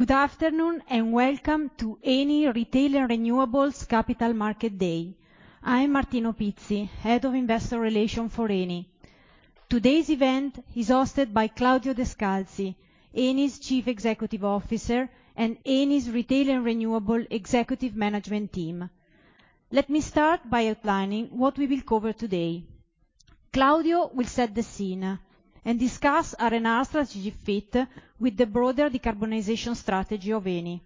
Good afternoon, and welcome to Eni Retail and Renewables Capital Market Day. I'm Martina Opizzi, Head of Investor Relations for Eni. Today's event is hosted by Claudio Descalzi, Eni's Chief Executive Officer, and Eni's Retail and Renewables Executive Management Team. Let me start by outlining what we will cover today. Claudio will set the scene and discuss R&R strategy fit with the broader decarbonization strategy of Eni.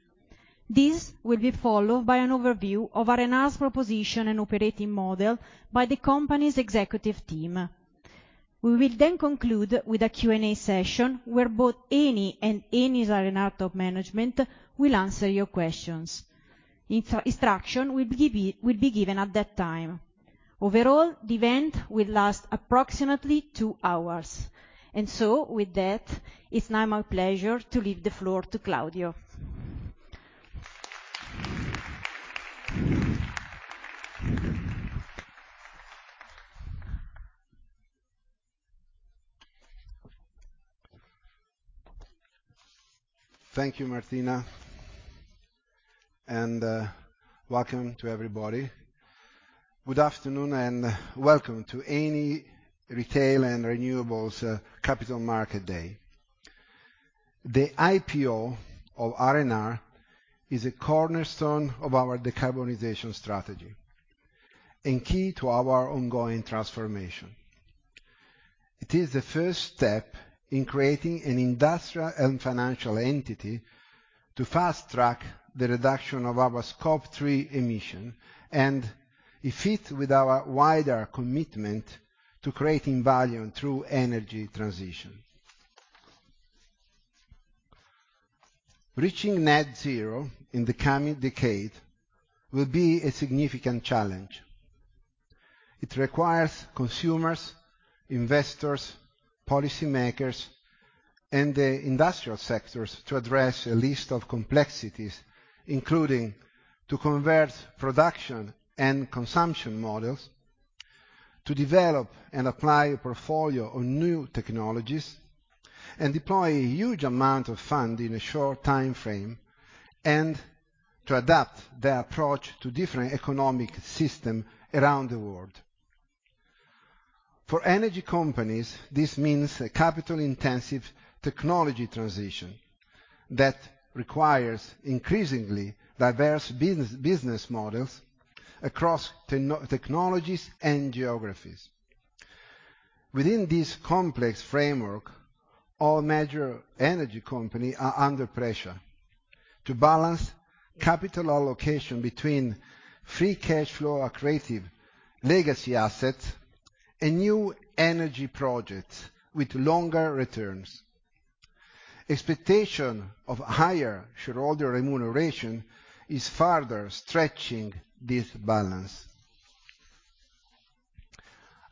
This will be followed by an overview of R&R's proposition and operating model by the company's executive team. We will then conclude with a Q&A session, where both Eni and Eni's R&R top management will answer your questions. Instruction will be given at that time. Overall, the event will last approximately two hours. With that, it's now my pleasure to leave the floor to Claudio. Thank you, Martina, and welcome to everybody. Good afternoon, and welcome to Eni Retail and Renewables Capital Markets Day. The IPO of R&R is a cornerstone of our decarbonization strategy and key to our ongoing transformation. It is the first step in creating an industrial and financial entity to fast-track the reduction of our Scope 3 emission, and it fit with our wider commitment to creating value through energy transition. Reaching net zero in the coming decade will be a significant challenge. It requires consumers, investors, policymakers, and the industrial sectors to address a list of complexities, including to convert production and consumption models, to develop and apply a portfolio of new technologies, and deploy a huge amount of fund in a short timeframe, and to adapt their approach to different economic system around the world. For energy companies, this means a capital-intensive technology transition that requires increasingly diverse business models across technologies and geographies. Within this complex framework, all major energy company are under pressure to balance capital allocation between Free Cash Flow-accretive legacy assets and new energy projects with longer returns. Expectation of higher shareholder remuneration is further stretching this balance.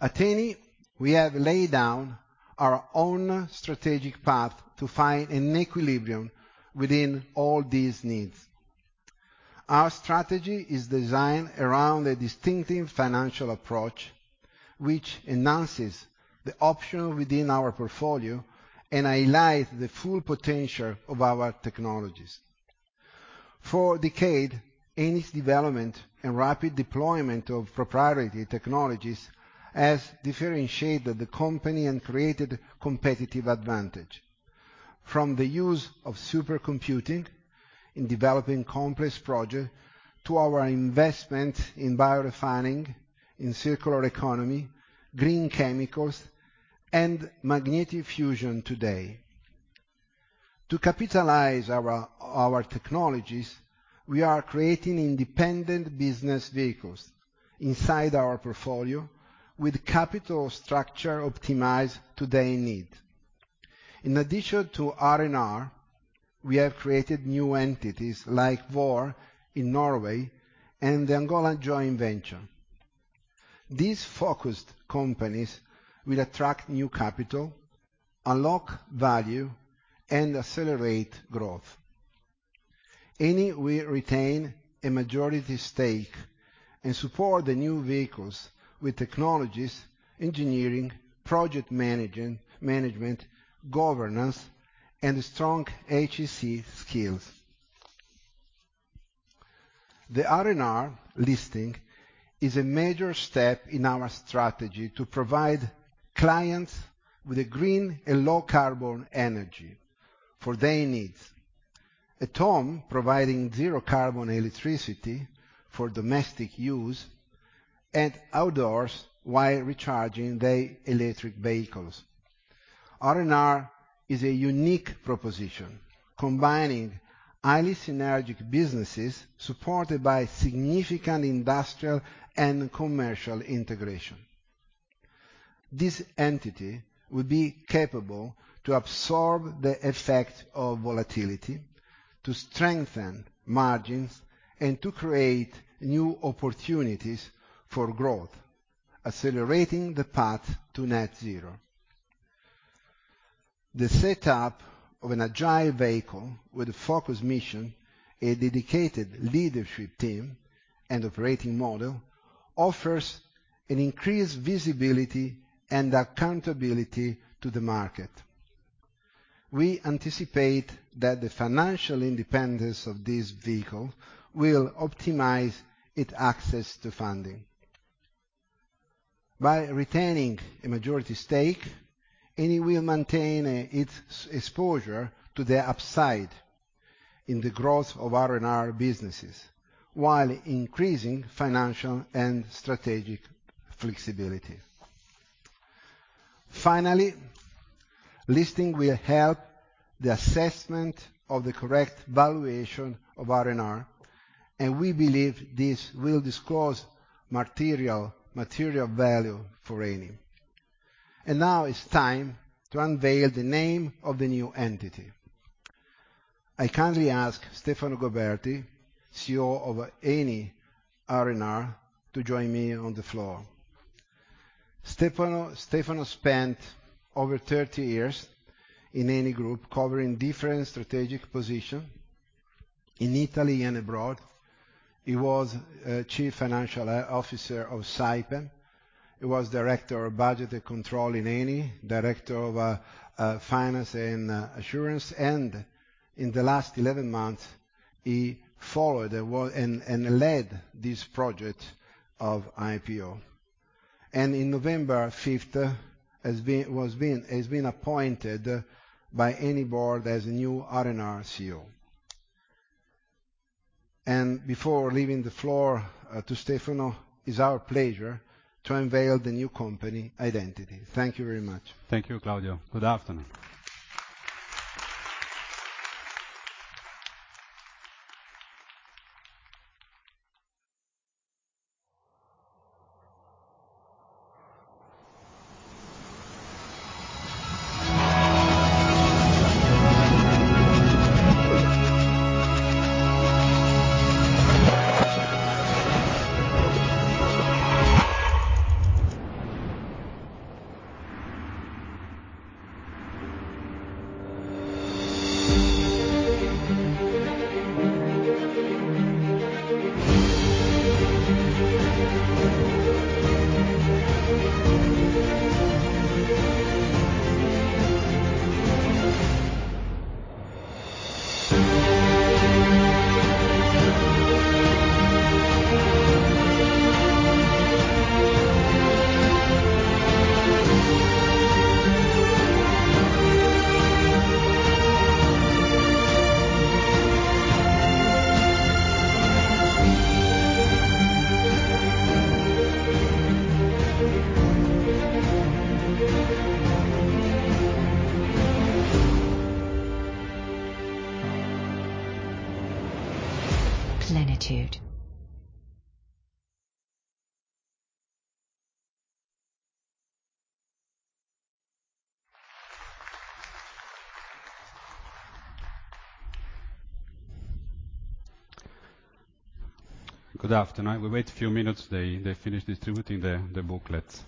At Eni, we have laid down our own strategic path to find an equilibrium within all these needs. Our strategy is designed around a distinctive financial approach, which enhances the option within our portfolio and highlight the full potential of our technologies. For decade, Eni's development and rapid deployment of proprietary technologies has differentiated the company and created competitive advantage. From the use of supercomputing in developing complex projects to our investment in biorefining, in circular economy, green chemicals, and magnetic fusion today. To capitalize our technologies, we are creating independent business vehicles inside our portfolio with capital structure optimized to their need. In addition to R&R, we have created new entities like Vår in Norway and Angola joint venture. These focused companies will attract new capital, unlock value, and accelerate growth. Eni will retain a majority stake and support the new vehicles with technologies, engineering, project management, governance, and strong HSE skills. The R&R listing is a major step in our strategy to provide clients with a green and low carbon energy for their needs at home, providing zero carbon electricity for domestic use and outdoors while recharging their electric vehicles. R&R is a unique proposition, combining highly synergistic businesses supported by significant industrial and commercial integration This entity will be capable to absorb the effect of volatility, to strengthen margins, and to create new opportunities for growth, accelerating the path to net zero. The setup of an agile vehicle with a focused mission, a dedicated leadership team and operating model offers an increased visibility and accountability to the market. We anticipate that the financial independence of this vehicle will optimize its access to funding. By retaining a majority stake, Eni will maintain its exposure to the upside in the growth of R&R businesses, while increasing financial and strategic flexibility. Finally, listing will help the assessment of the correct valuation of R&R, and we believe this will disclose material value for Eni. Now it's time to unveil the name of the new entity. I kindly ask Stefano Goberti, CEO of Eni R&R, to join me on the floor. Stefano spent over 30 years in Eni Group covering different strategic position in Italy and abroad. He was Chief Financial Officer of Saipem. He was Director of Budget and Control in Eni, Director of Finance and Assurance. In the last 11 months, he followed and led this project of IPO. In November 5, he has been appointed by Eni board as the new R&R CEO. Before leaving the floor to Stefano, it is our pleasure to unveil the new company identity. Thank you very much. Thank you, Claudio. Good afternoon. Good afternoon. We wait a few minutes. They finish distributing the booklets.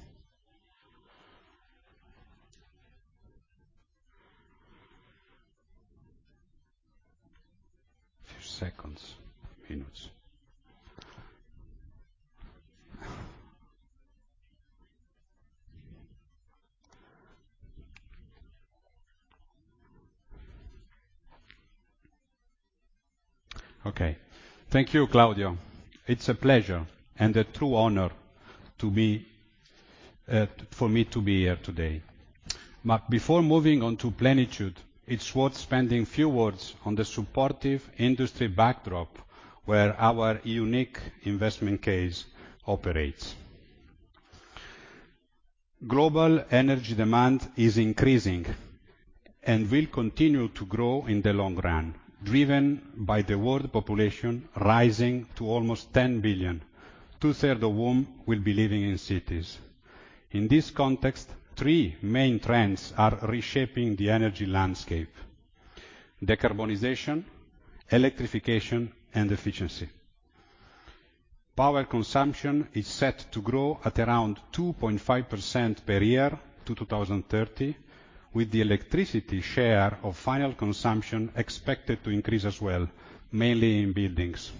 Few seconds, minutes. Okay. Thank you, Claudio. It's a pleasure and a true honor for me to be here today. Before moving on to Plenitude, it's worth spending a few words on the supportive industry backdrop where our unique investment case operates. Global energy demand is increasing and will continue to grow in the long run, driven by the world population rising to almost 10 billion, 2/3 of whom will be living in cities. In this context, three main trends are reshaping the energy landscape: decarbonization, electrification, and efficiency. Power consumption is set to grow at around 2.5% per year to 2030, with the electricity share of final consumption expected to increase as well, mainly in buildings.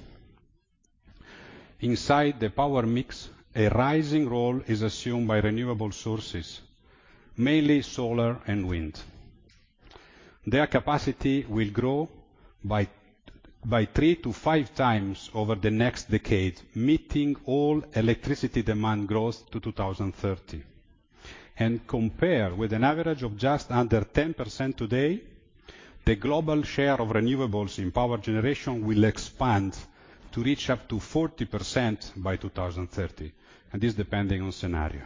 Inside the power mix, a rising role is assumed by renewable sources, mainly solar and wind. Their capacity will grow by 3-5x over the next decade, meeting all electricity demand growth to 2030. Compare with an average of just under 10% today, the global share of renewables in power generation will expand to reach up to 40% by 2030, and this depending on scenario.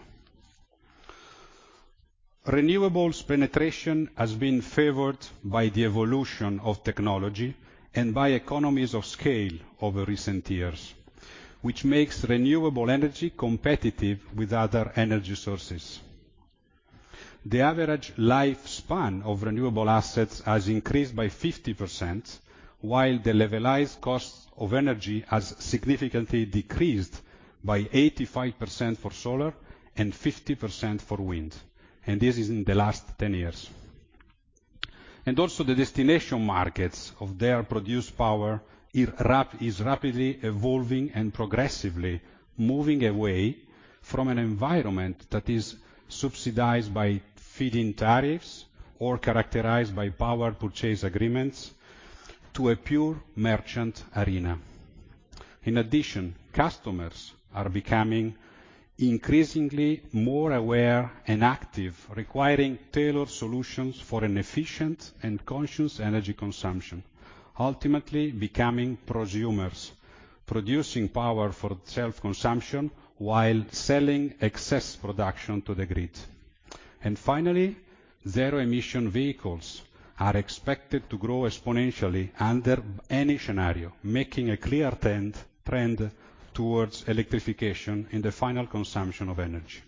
Renewables penetration has been favored by the evolution of technology and by economies of scale over recent years, which makes renewable energy competitive with other energy sources. The average lifespan of renewable assets has increased by 50%, while the levelized cost of energy has significantly decreased by 85% for solar and 50% for wind, and this is in the last 10 years. Also the destination markets of their produced power is rapidly evolving and progressively moving away from an environment that is subsidized by feed-in tariffs or characterized by power purchase agreements to a pure merchant arena. In addition, customers are becoming increasingly more aware and active, requiring tailored solutions for an efficient and conscious energy consumption, ultimately becoming prosumers, producing power for self-consumption while selling excess production to the grid. Finally, zero emission vehicles are expected to grow exponentially under any scenario, making a clear trend towards electrification in the final consumption of energy.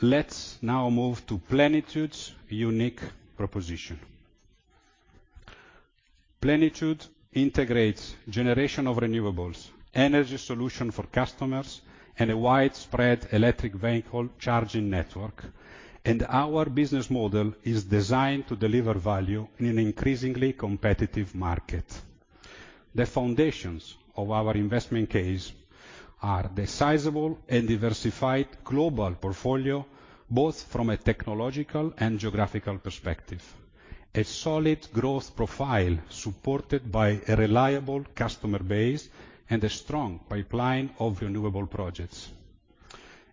Let's now move to Plenitude's unique proposition. Plenitude integrates generation of renewables, energy solution for customers, and a widespread electric vehicle charging network. Our business model is designed to deliver value in an increasingly competitive market. The foundations of our investment case are the sizable and diversified global portfolio, both from a technological and geographical perspective. A solid growth profile supported by a reliable customer base and a strong pipeline of renewable projects.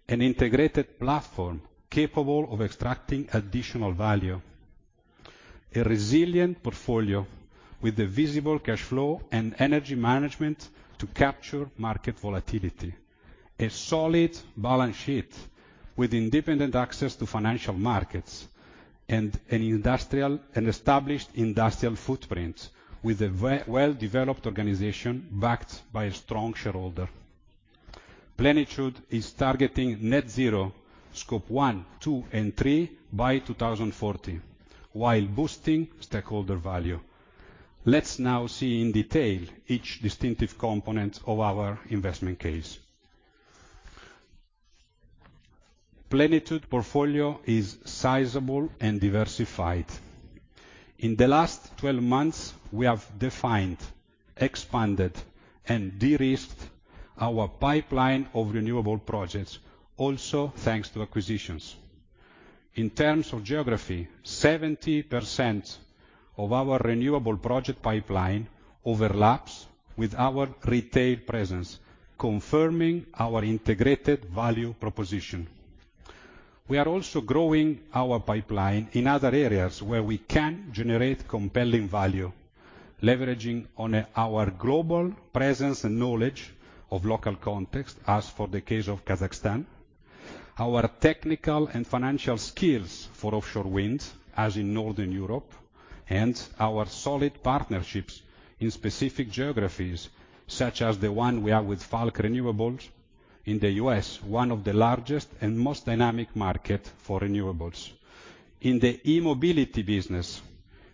An integrated platform capable of extracting additional value. A resilient portfolio with a visible cash flow and energy management to capture market volatility. A solid balance sheet with independent access to financial markets and an established industrial footprint with a well-developed organization backed by a strong shareholder. Plenitude is targeting net zero Scope 1, 2, and 3 by 2040 while boosting stakeholder value. Let's now see in detail each distinctive component of our investment case. Plenitude portfolio is sizable and diversified. In the last 12 months, we have defined, expanded, and de-risked our pipeline of renewable projects, also thanks to acquisitions. In terms of geography, 70% of our renewable project pipeline overlaps with our retail presence, confirming our integrated value proposition. We are also growing our pipeline in other areas where we can generate compelling value, leveraging on our global presence and knowledge of local context, as for the case of Kazakhstan. Our technical and financial skills for offshore wind, as in Northern Europe, and our solid partnerships in specific geographies, such as the one we have with Falck Renewables in the U.S., one of the largest and most dynamic market for renewables. In the e-mobility business,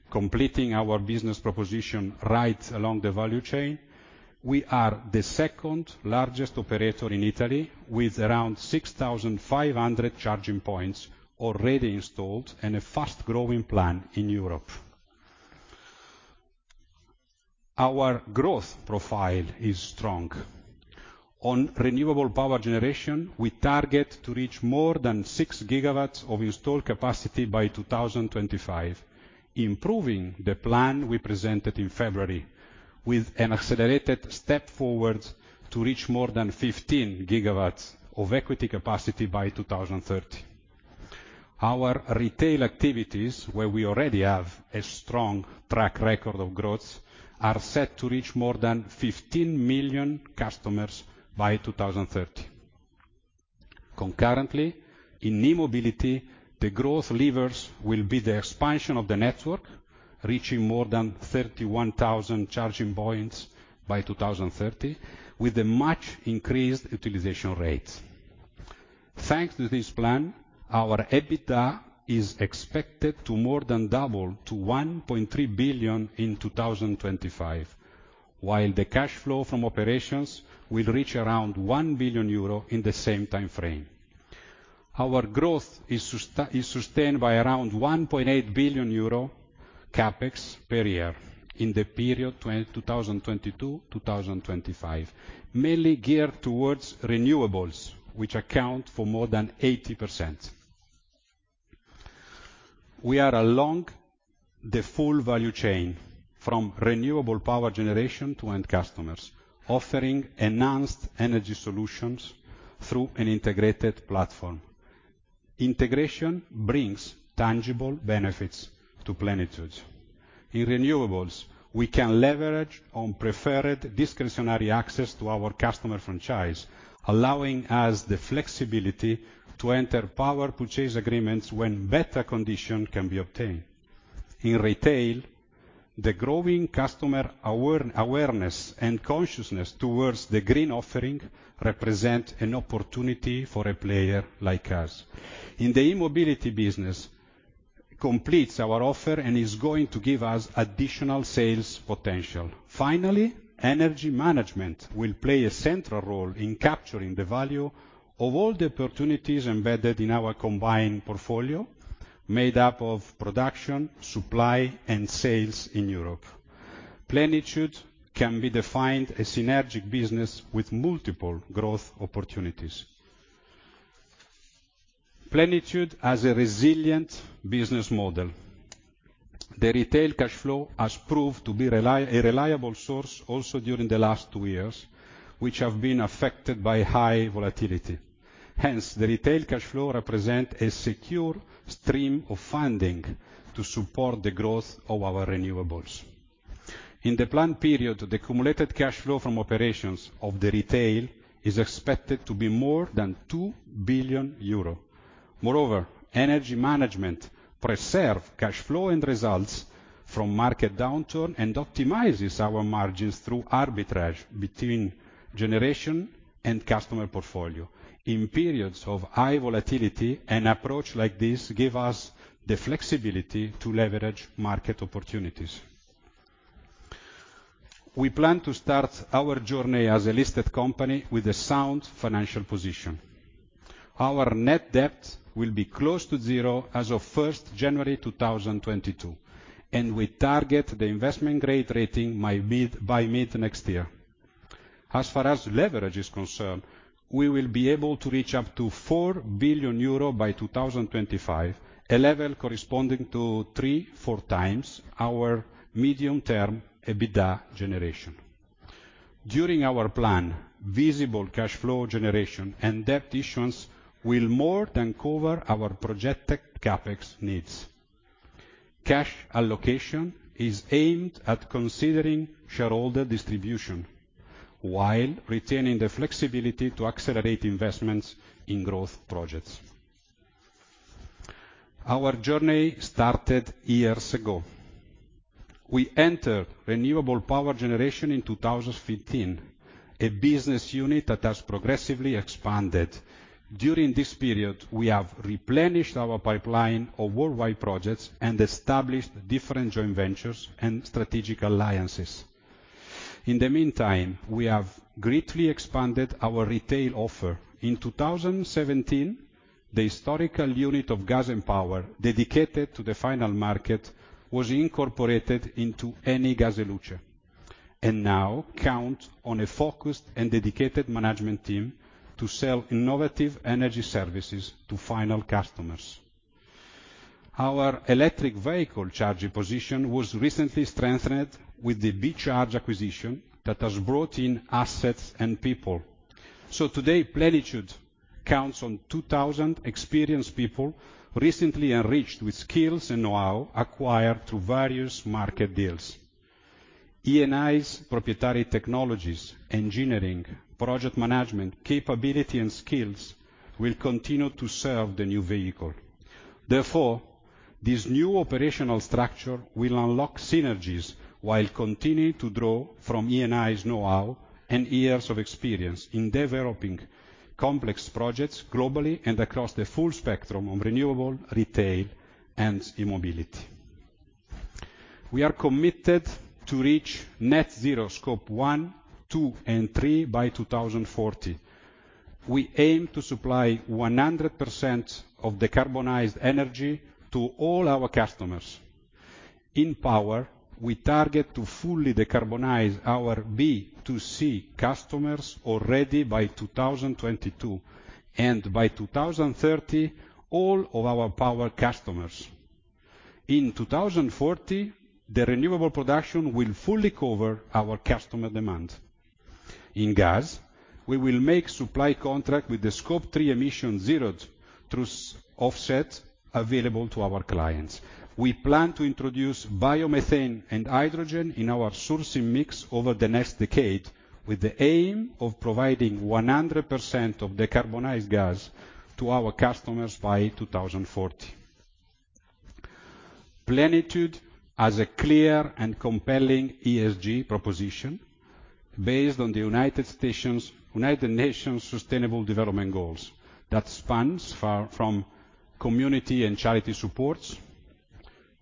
completing our business proposition right along the value chain, we are the second-largest operator in Italy, with around 6,500 charging points already installed and a fast growing plan in Europe. Our growth profile is strong. On renewable power generation, we target to reach more than 6 GW of installed capacity by 2025, improving the plan we presented in February with an accelerated step forward to reach more than 15 GW of equity capacity by 2030. Our retail activities, where we already have a strong track record of growth, are set to reach more than 15 million customers by 2030. Concurrently, in e-mobility, the growth levers will be the expansion of the network, reaching more than 31,000 charging points by 2030, with a much increased utilization rate. Thanks to this plan, our EBITDA is expected to more than double to 1.3 billion in 2025, while the cash flow from operations will reach around 1 billion euro in the same time frame. Our growth is sustained by around 1.8 billion euro CapEx per year in the period 2022-2025, mainly geared towards renewables, which account for more than 80%. We are along the full value chain from renewable power generation to end customers, offering enhanced energy solutions through an integrated platform. Integration brings tangible benefits to Plenitude. In renewables, we can leverage on preferred discretionary access to our customer franchise, allowing us the flexibility to enter power purchase agreements when better condition can be obtained. In retail, the growing customer awareness and consciousness towards the green offering represent an opportunity for a player like us. In the e-mobility business completes our offer and is going to give us additional sales potential. Finally, energy management will play a central role in capturing the value of all the opportunities embedded in our combined portfolio, made up of production, supply, and sales in Europe. Plenitude can be defined a synergic business with multiple growth opportunities. Plenitude has a resilient business model. The retail cash flow has proved to be a reliable source also during the last two years, which have been affected by high volatility. Hence, the retail cash flow represent a secure stream of funding to support the growth of our renewables. In the planned period, the accumulated cash flow from operations of the retail is expected to be more than 2 billion euro. Moreover, energy management preserves cash flow and results from market downturn, and optimizes our margins through arbitrage between generation and customer portfolio. In periods of high volatility, an approach like this gives us the flexibility to leverage market opportunities. We plan to start our journey as a listed company with a sound financial position. Our net debt will be close to zero as of January 1, 2022, and we target the investment-grade rating by mid next year. As far as leverage is concerned, we will be able to reach up to 4 billion euro by 2025, a level corresponding to 3-4x our medium-term EBITDA generation. During our plan, visible cash flow generation and debt issuance will more than cover our projected CapEx needs. Cash allocation is aimed at considering shareholder distribution, while retaining the flexibility to accelerate investments in growth projects. Our journey started years ago. We entered renewable power generation in 2015, a business unit that has progressively expanded. During this period, we have replenished our pipeline of worldwide projects and established different joint ventures and strategic alliances. In the meantime, we have greatly expanded our retail offer. In 2017, the historical unit of gas and power dedicated to the final market was incorporated into Eni gas e luce, and we now count on a focused and dedicated management team to sell innovative energy services to final customers. Our electric vehicle charging position was recently strengthened with the Be Charge acquisition that has brought in assets and people. Today, Plenitude counts on 2,000 experienced people, recently enriched with skills and know-how acquired through various market deals. Eni's proprietary technologies, engineering, project management capability and skills will continue to serve the new vehicle. Therefore, this new operational structure will unlock synergies while continuing to draw from Eni's know-how and years of experience in developing complex projects globally and across the full spectrum of renewable, retail, and e-mobility. We are committed to reach net zero Scope 1, 2, and 3 by 2040. We aim to supply 100% of decarbonized energy to all our customers. In power, we target to fully decarbonize our B2C customers already by 2022, and by 2030, all of our power customers. In 2040, the renewable production will fully cover our customer demand. In gas, we will make supply contract with the Scope 3 emission zeroed through S-Offset available to our clients. We plan to introduce biomethane and hydrogen in our sourcing mix over the next decade, with the aim of providing 100% of decarbonized gas to our customers by 2040. Plenitude has a clear and compelling ESG proposition based on the United Nations Sustainable Development Goals that spans from community and charity supports.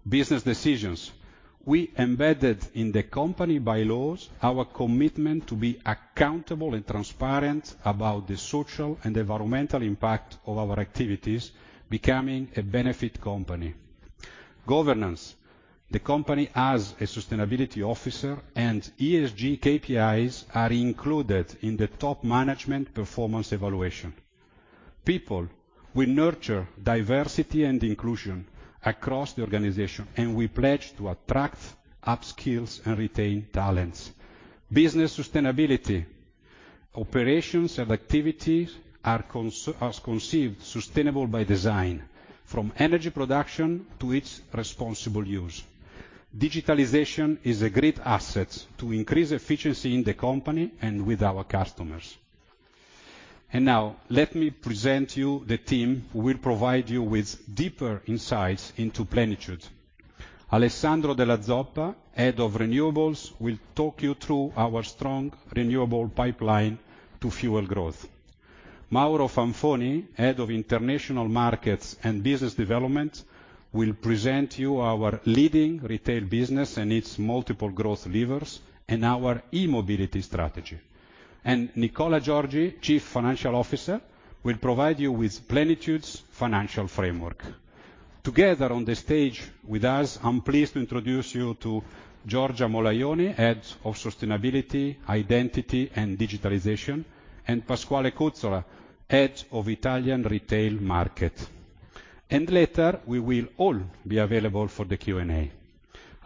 Business decisions. We embedded in the company bylaws our commitment to be accountable and transparent about the social and environmental impact of our activities, becoming a benefit company. Governance. The company has a sustainability officer, and ESG KPIs are included in the top management performance evaluation. People. We nurture diversity and inclusion across the organization, and we pledge to attract, upskills, and retain talents. Business sustainability. Operations and activities are conceived sustainable by design, from energy production to its responsible use. Digitalization is a great asset to increase efficiency in the company and with our customers. Now let me present you the team who will provide you with deeper insights into Plenitude. Alessandro Della Zoppa, Head of Renewables, will talk you through our strong renewable pipeline to fuel growth. Mauro Fanfoni, Head of International Markets and Business Development, will present you our leading retail business and its multiple growth levers, and our e-mobility strategy. Nicola Giorgi, Chief Financial Officer, will provide you with Plenitude's financial framework. Together on the stage with us, I'm pleased to introduce you to Giorgia Molajoni, Head of Sustainability, Identity, and Digitalization, and Pasquale Cuzzola, Head of Italian Retail Market. Later, we will all be available for the Q&A.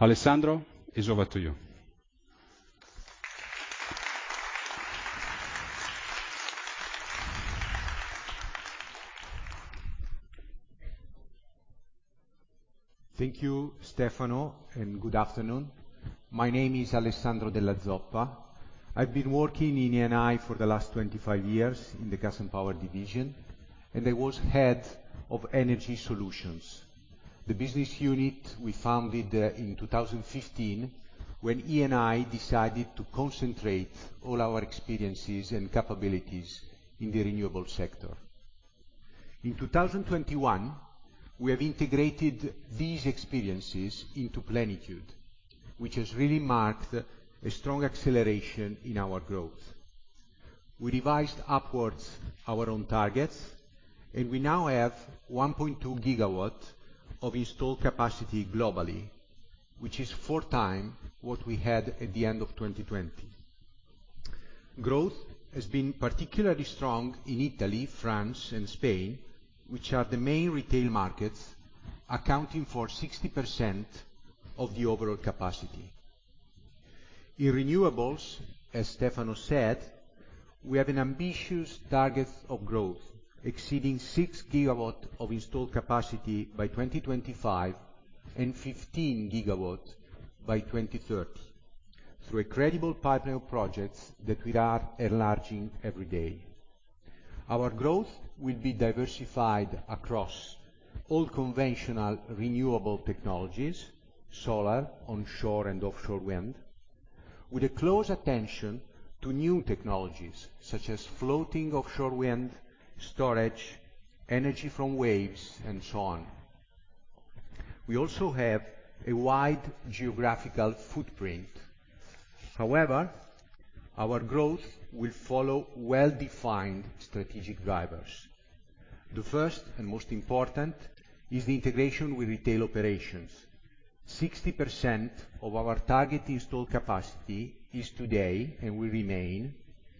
Alessandro, it's over to you. Thank you, Stefano, and good afternoon. My name is Alessandro Della Zoppa. I've been working in Eni for the last 25 years in the gas and power division, and I was Head of Energy Solutions. The business unit we founded in 2015, when Eni decided to concentrate all our experiences and capabilities in the renewable sector. In 2021, we have integrated these experiences into Plenitude, which has really marked a strong acceleration in our growth. We revised upwards our own targets, and we now have 1.2 GW of installed capacity globally, which is 4x what we had at the end of 2020. Growth has been particularly strong in Italy, France, and Spain, which are the main retail markets, accounting for 60% of the overall capacity. In Renewables, as Stefano said, we have an ambitious target of growth, exceeding 6 GW of installed capacity by 2025 and 15 GW by 2030, through a credible partner projects that we are enlarging every day. Our growth will be diversified across all conventional renewable technologies, solar, onshore and offshore wind, with a close attention to new technologies such as floating offshore wind, storage, energy from waves, and so on. We also have a wide geographical footprint. However, our growth will follow well-defined strategic drivers. The first and most important is the integration with retail operations. 60% of our target installed capacity is today, and will remain,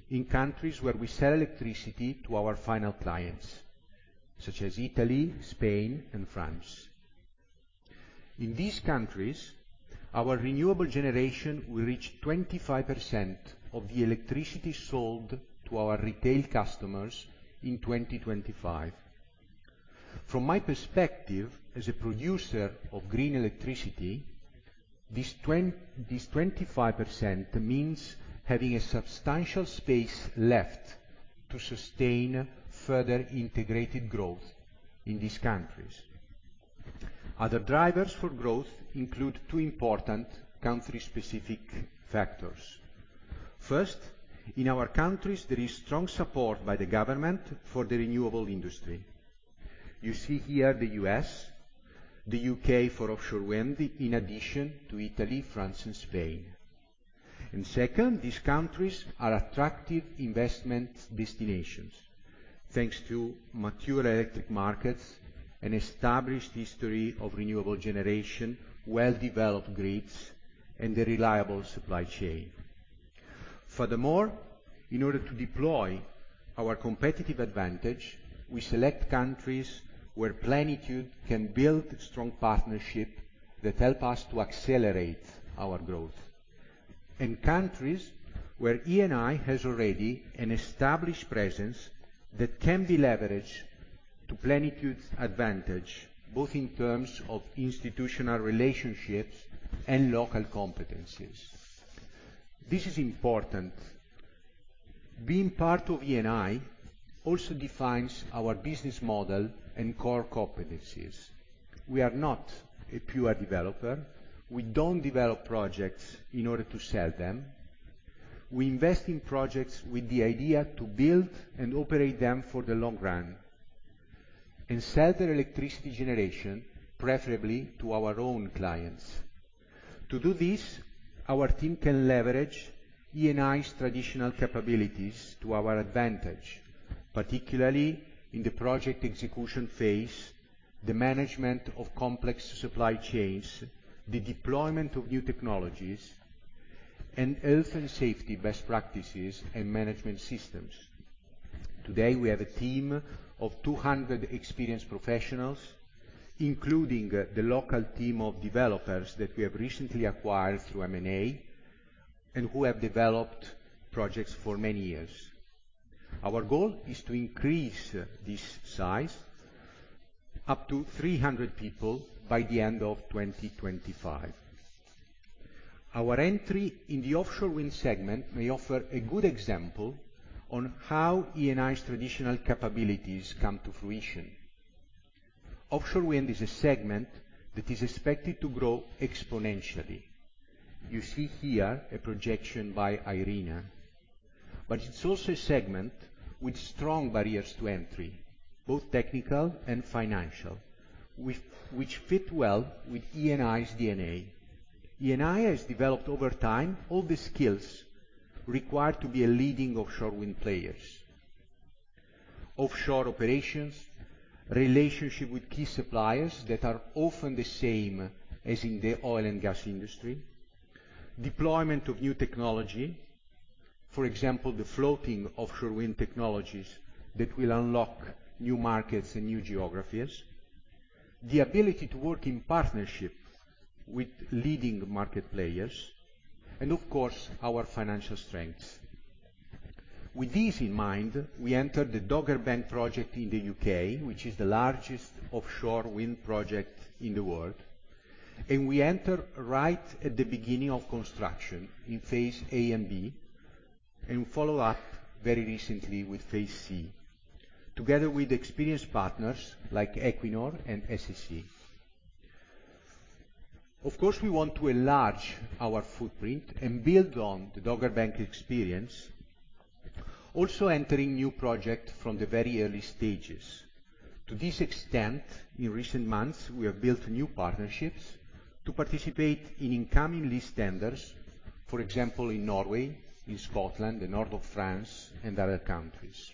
in countries where we sell electricity to our final clients, such as Italy, Spain, and France. In these countries, our renewable generation will reach 25% of the electricity sold to our retail customers in 2025. From my perspective, as a producer of green electricity, this 25% means having a substantial space left to sustain further integrated growth in these countries. Other drivers for growth include two important country-specific factors. First, in our countries, there is strong support by the government for the renewable industry. You see here the U.S., the U.K. for offshore wind, in addition to Italy, France and Spain. Second, these countries are attractive investment destinations. Thanks to mature electricity markets, an established history of renewable generation, well-developed grids, and a reliable supply chain. Furthermore, in order to deploy our competitive advantage, we select countries where Plenitude can build strong partnership that help us to accelerate our growth. In countries where Eni has already an established presence that can be leveraged to Plenitude's advantage, both in terms of institutional relationships and local competencies. This is important. Being part of Eni also defines our business model and core competencies. We are not a pure developer. We don't develop projects in order to sell them. We invest in projects with the idea to build and operate them for the long run, and sell their electricity generation, preferably to our own clients. To do this, our team can leverage Eni's traditional capabilities to our advantage, particularly in the project execution phase, the management of complex supply chains, the deployment of new technologies, and health and safety best practices and management systems. Today, we have a team of 200 experienced professionals, including the local team of developers that we have recently acquired through M&A, and who have developed projects for many years. Our goal is to increase this size up to 300 people by the end of 2025. Our entry in the offshore wind segment may offer a good example on how Eni's traditional capabilities come to fruition. Offshore wind is a segment that is expected to grow exponentially. You see here a projection by IRENA, but it's also a segment with strong barriers to entry, both technical and financial, which fit well with Eni's DNA. Eni has developed over time all the skills required to be a leading offshore wind player. Offshore operations, relationship with key suppliers that are often the same as in the oil and gas industry. Deployment of new technology, for example, the floating offshore wind technologies that will unlock new markets and new geographies. The ability to work in partnership with leading market players and of course, our financial strengths. With this in mind, we entered the Dogger Bank project in the U.K., which is the largest offshore wind project in the world, and we enter right at the beginning of construction in Phase A and B, and follow up very recently with Phase C, together with experienced partners like Equinor and SSE. Of course, we want to enlarge our footprint and build on the Dogger Bank experience, also entering new project from the very early stages. To this extent, in recent months, we have built new partnerships to participate in incoming lease tenders, for example, in Norway, in Scotland, the north of France, and other countries.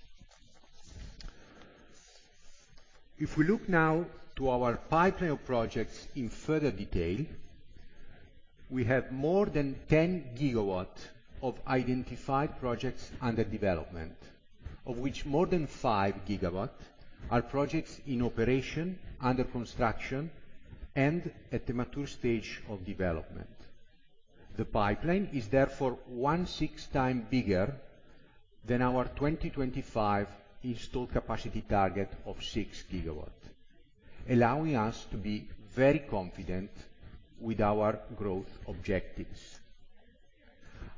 If we look now to our pipeline of projects in further detail, we have more than 10 GW of identified projects under development, of which more than 5 GW are projects in operation, under construction, and at the mature stage of development. The pipeline is therefore six times bigger than our 2025 installed capacity target of 6 GW, allowing us to be very confident with our growth objectives.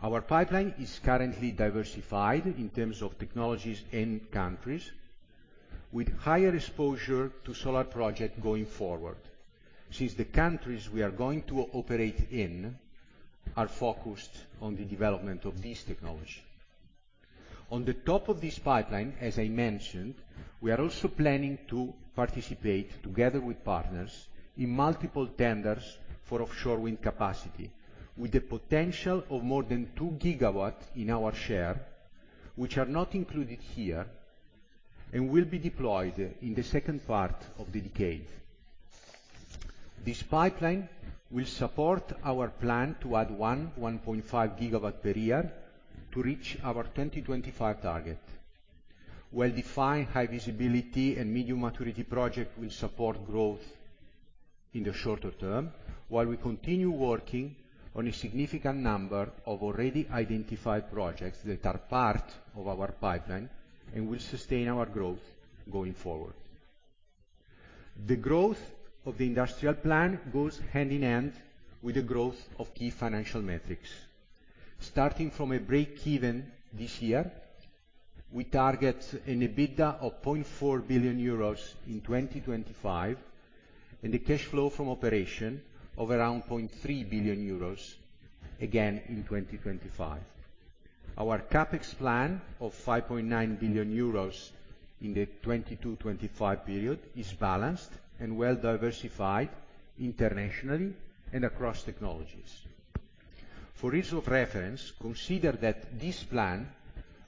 Our pipeline is currently diversified in terms of technologies and countries with higher exposure to solar project going forward, since the countries we are going to operate in are focused on the development of this technology. On the top of this pipeline, as I mentioned, we are also planning to participate together with partners in multiple tenders for offshore wind capacity, with the potential of more than 2 GW in our share, which are not included here and will be deployed in the second part of the decade. This pipeline will support our plan to add 1.5 GW per year to reach our 2025 target. Well-defined high visibility and medium maturity project will support growth in the shorter term, while we continue working on a significant number of already identified projects that are part of our pipeline, and will sustain our growth going forward. The growth of the industrial plan goes hand in hand with the growth of key financial metrics. Starting from a break-even this year, we target an EBITDA of 0.4 billion euros in 2025, and the cash flow from operation of around 0.3 billion euros, again in 2025. Our CapEx plan of 5.9 billion euros in the 2022-2025 period is balanced and well diversified internationally and across technologies. For ease of reference, consider that this plan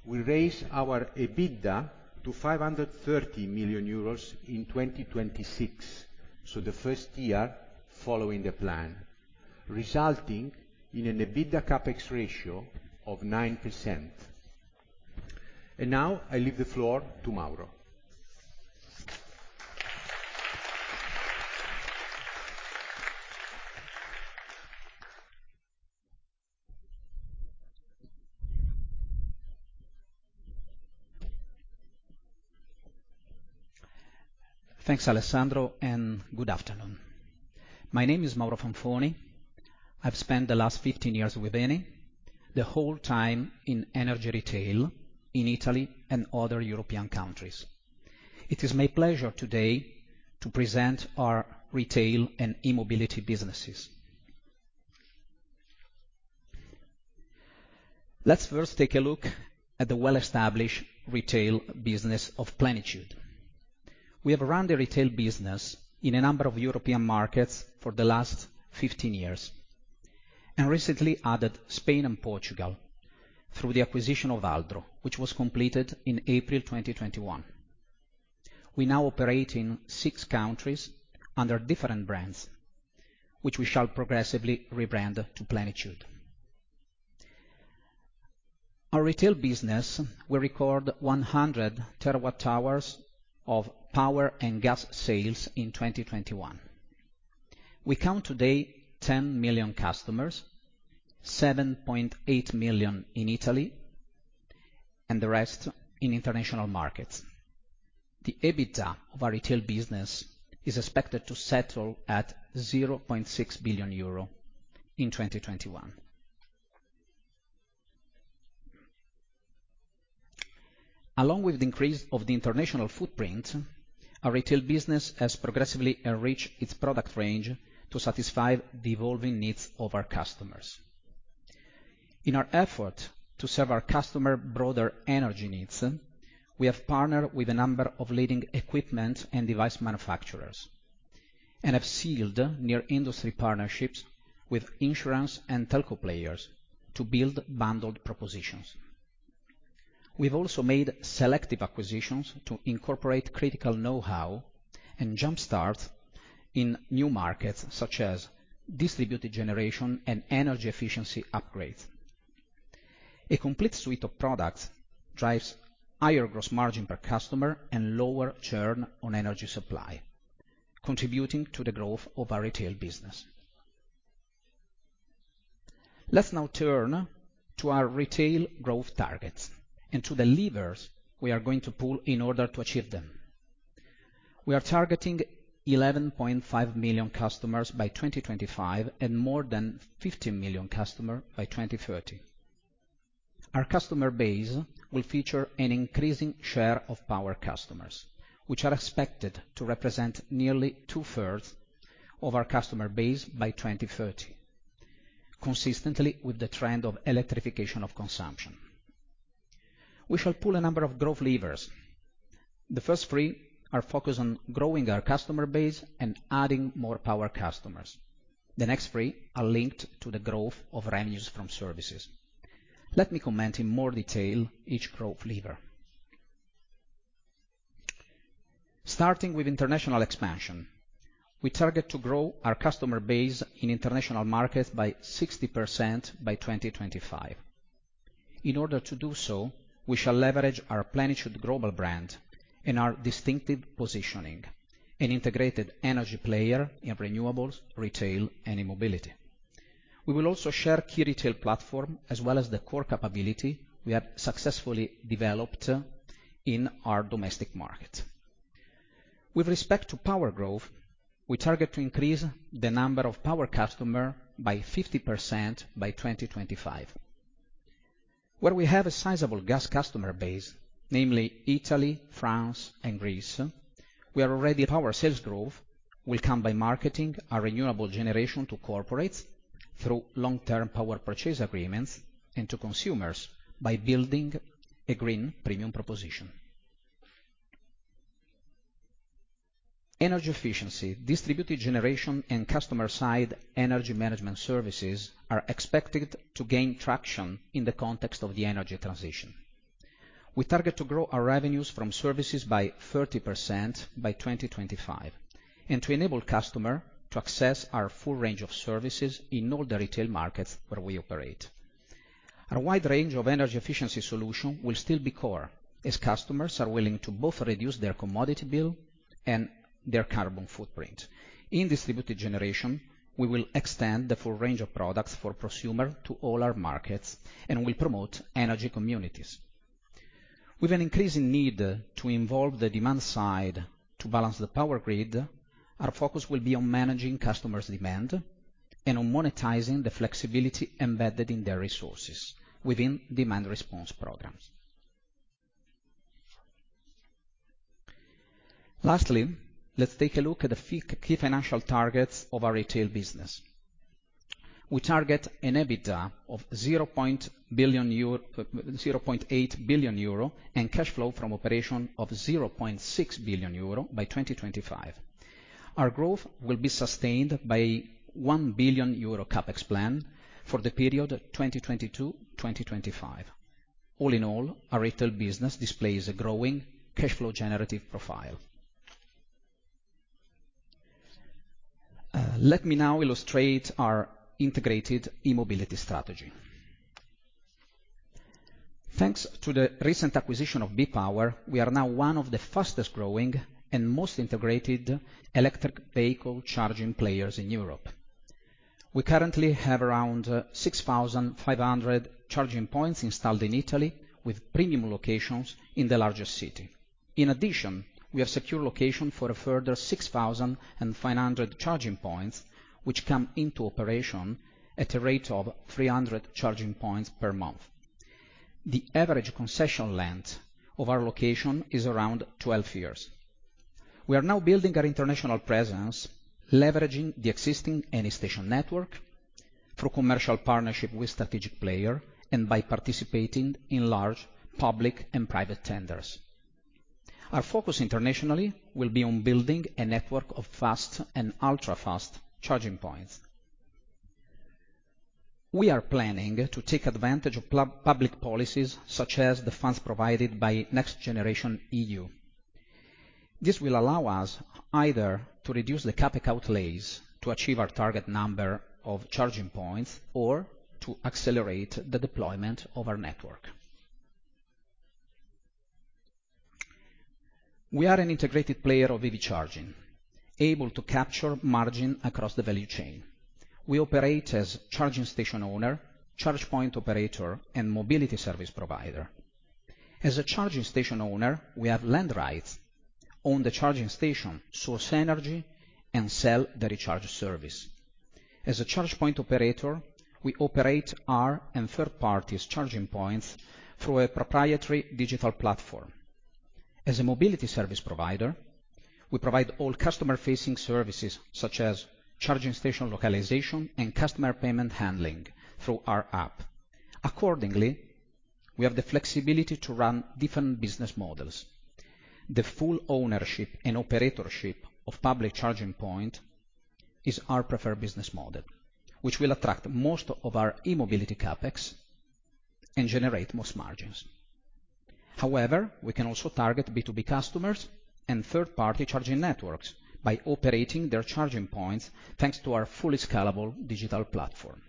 will raise our EBITDA to 530 million euros in 2026, so the first year following the plan, resulting in an EBITDA CapEx ratio of 9%. Now, I leave the floor to Mauro. Thanks, Alessandro, and good afternoon. My name is Mauro Fanfoni. I've spent the last 15 years with Eni, the whole time in energy retail in Italy and other European countries. It is my pleasure today to present our retail and e-mobility businesses. Let's first take a look at the well-established retail business of Plenitude. We have run the retail business in a number of European markets for the last 15 years, and recently added Spain and Portugal through the acquisition of Aldro, which was completed in April 2021. We now operate in six countries under different brands, which we shall progressively rebrand to Plenitude. Our retail business will record 100 TWh of power and gas sales in 2021. We count today 10 million customers, 7.8 million in Italy, and the rest in international markets. The EBITDA of our retail business is expected to settle at 0.6 billion euro in 2021. Along with the increase of the international footprint, our retail business has progressively enriched its product range to satisfy the evolving needs of our customers. In our effort to serve our customers' broader energy needs, we have partnered with a number of leading equipment and device manufacturers and have sealed key industry partnerships with insurance and telco players to build bundled propositions. We've also made selective acquisitions to incorporate critical know-how and jump-start in new markets, such as distributed generation and energy efficiency upgrades. A complete suite of products drives higher gross margin per customer and lower churn on energy supply, contributing to the growth of our retail business. Let's now turn to our retail growth targets and to the levers we are going to pull in order to achieve them. We are targeting 11.5 million customers by 2025 and more than 50 million customers by 2030. Our customer base will feature an increasing share of power customers, which are expected to represent nearly 2/3 of our customer base by 2030, consistently with the trend of electrification of consumption. We shall pull a number of growth levers. The first three are focused on growing our customer base and adding more power customers. The next three are linked to the growth of revenues from services. Let me comment in more detail each growth lever. Starting with international expansion, we target to grow our customer base in international markets by 60% by 2025. In order to do so, we shall leverage our Plenitude global brand and our distinctive positioning, an integrated energy player in renewables, retail, and e-mobility. We will also share key retail platform as well as the core capability we have successfully developed in our domestic market. With respect to power growth, we target to increase the number of power customer by 50% by 2025. Where we have a sizable gas customer base, namely Italy, France, and Greece, we are ready. Power sales growth will come by marketing our renewable generation to corporates through long-term power purchase agreements and to consumers by building a green premium proposition. Energy efficiency, distributed generation, and customer-side energy management services are expected to gain traction in the context of the energy transition. We target to grow our revenues from services by 30% by 2025, and to enable customer to access our full range of services in all the retail markets where we operate. Our wide range of energy efficiency solutions will still be core, as customers are willing to both reduce their commodity bill and their carbon footprint. In distributed generation, we will extend the full range of products for prosumer to all our markets and we promote energy communities. With an increasing need to involve the demand side to balance the power grid, our focus will be on managing customers' demand and on monetizing the flexibility embedded in their resources within demand response programs. Lastly, let's take a look at the key financial targets of our retail business. We target an EBITDA of 0.8 billion euro and cash flow from operations of 0.6 billion euro by 2025. Our growth will be sustained by a 1 billion euro CapEx plan for the period 2022-2025. All in all, our retail business displays a growing cash flow generative profile. Let me now illustrate our integrated e-mobility strategy. Thanks to the recent acquisition of Be Power, we are now one of the fastest-growing and most integrated electric vehicle charging players in Europe. We currently have around 6,500 charging points installed in Italy, with premium locations in the largest city. In addition, we have secured locations for a further 6,500 charging points, which come into operation at a rate of 300 charging points per month. The average concession length of our locations is around 12 years. We are now building our international presence, leveraging the existing Eni station network through commercial partnerships with strategic players and by participating in large public and private tenders. Our focus internationally will be on building a network of fast and ultra-fast charging points. We are planning to take advantage of public policies, such as the funds provided by NextGenerationEU. This will allow us either to reduce the CapEx outlays to achieve our target number of charging points or to accelerate the deployment of our network. We are an integrated player of EV charging, able to capture margin across the value chain. We operate as charging station owner, charge point operator, and mobility service provider. As a charging station owner, we have land rights, own the charging station, source energy, and sell the recharge service. As a charge point operator, we operate our and third parties' charging points through a proprietary digital platform. As a mobility service provider, we provide all customer-facing services, such as charging station localization and customer payment handling through our app. Accordingly, we have the flexibility to run different business models. The full ownership and operatorship of public charging point is our preferred business model, which will attract most of our e-mobility CapEx and generate most margins. However, we can also target B2B customers and third-party charging networks by operating their charging points, thanks to our fully scalable digital platform.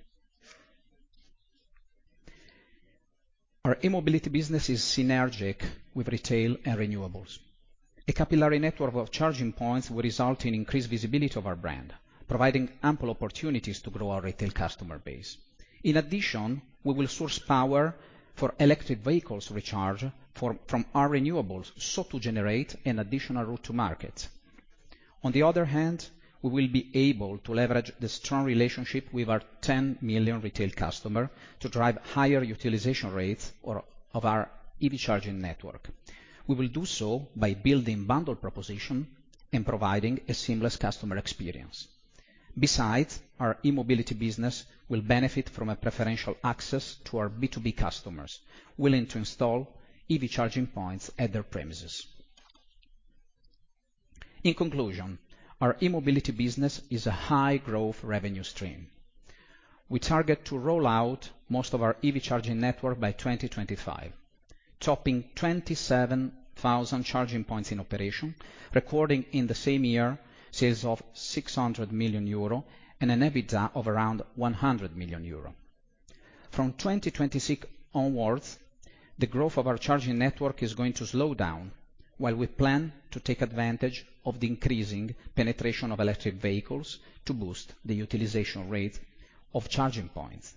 Our e-mobility business is synergic with retail and renewables. A capillary network of charging points will result in increased visibility of our brand, providing ample opportunities to grow our retail customer base. In addition, we will source power for electric vehicles recharge from our renewables, so to generate an additional route to market. On the other hand, we will be able to leverage the strong relationship with our 10 million retail customer to drive higher utilization rates of our EV charging network. We will do so by building bundle proposition and providing a seamless customer experience. Besides, our e-mobility business will benefit from a preferential access to our B2B customers, willing to install EV charging points at their premises. In conclusion, our e-mobility business is a high growth revenue stream. We target to roll out most of our EV charging network by 2025, topping 27,000 charging points in operation, recording in the same year sales of 600 million euro and an EBITDA of around 100 million euro. From 2026 onwards, the growth of our charging network is going to slow down, while we plan to take advantage of the increasing penetration of electric vehicles to boost the utilization rate of charging points.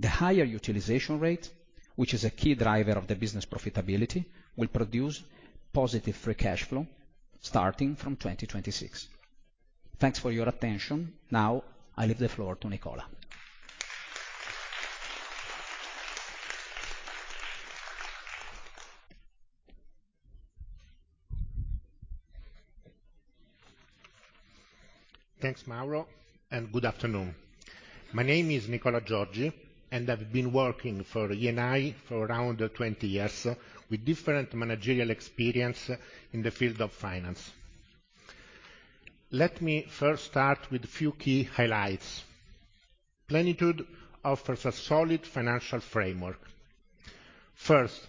The higher utilization rate, which is a key driver of the business profitability, will produce positive free cash flow starting from 2026. Thanks for your attention. Now, I leave the floor to Nicola. Thanks, Mauro, and good afternoon. My name is Nicola Giorgi, and I've been working for Eni for around 20 years with different managerial experience in the field of finance. Let me first start with a few key highlights. Plenitude offers a solid financial framework. First,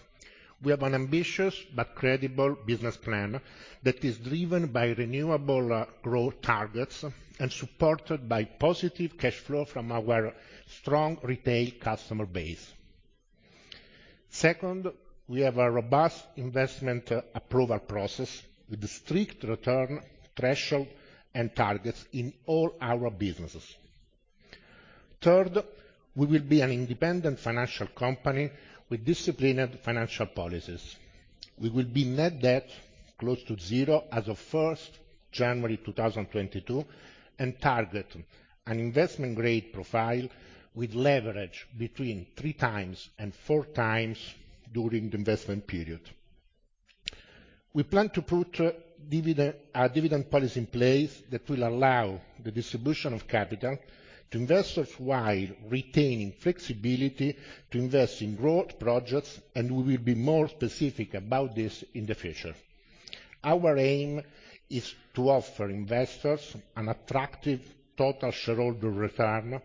we have an ambitious but credible business plan that is driven by renewable growth targets and supported by positive cash flow from our strong retail customer base. Second, we have a robust investment approval process with strict return threshold and targets in all our businesses. Third, we will be an independent financial company with disciplined financial policies. We will be net debt close to zero as of January 1, 2022, and target an investment grade profile with leverage between 3x and 4x during the investment period. We plan to put dividend... A dividend policy in place that will allow the distribution of capital to investors while retaining flexibility to invest in growth projects, and we will be more specific about this in the future. Our aim is to offer investors an attractive total shareholder return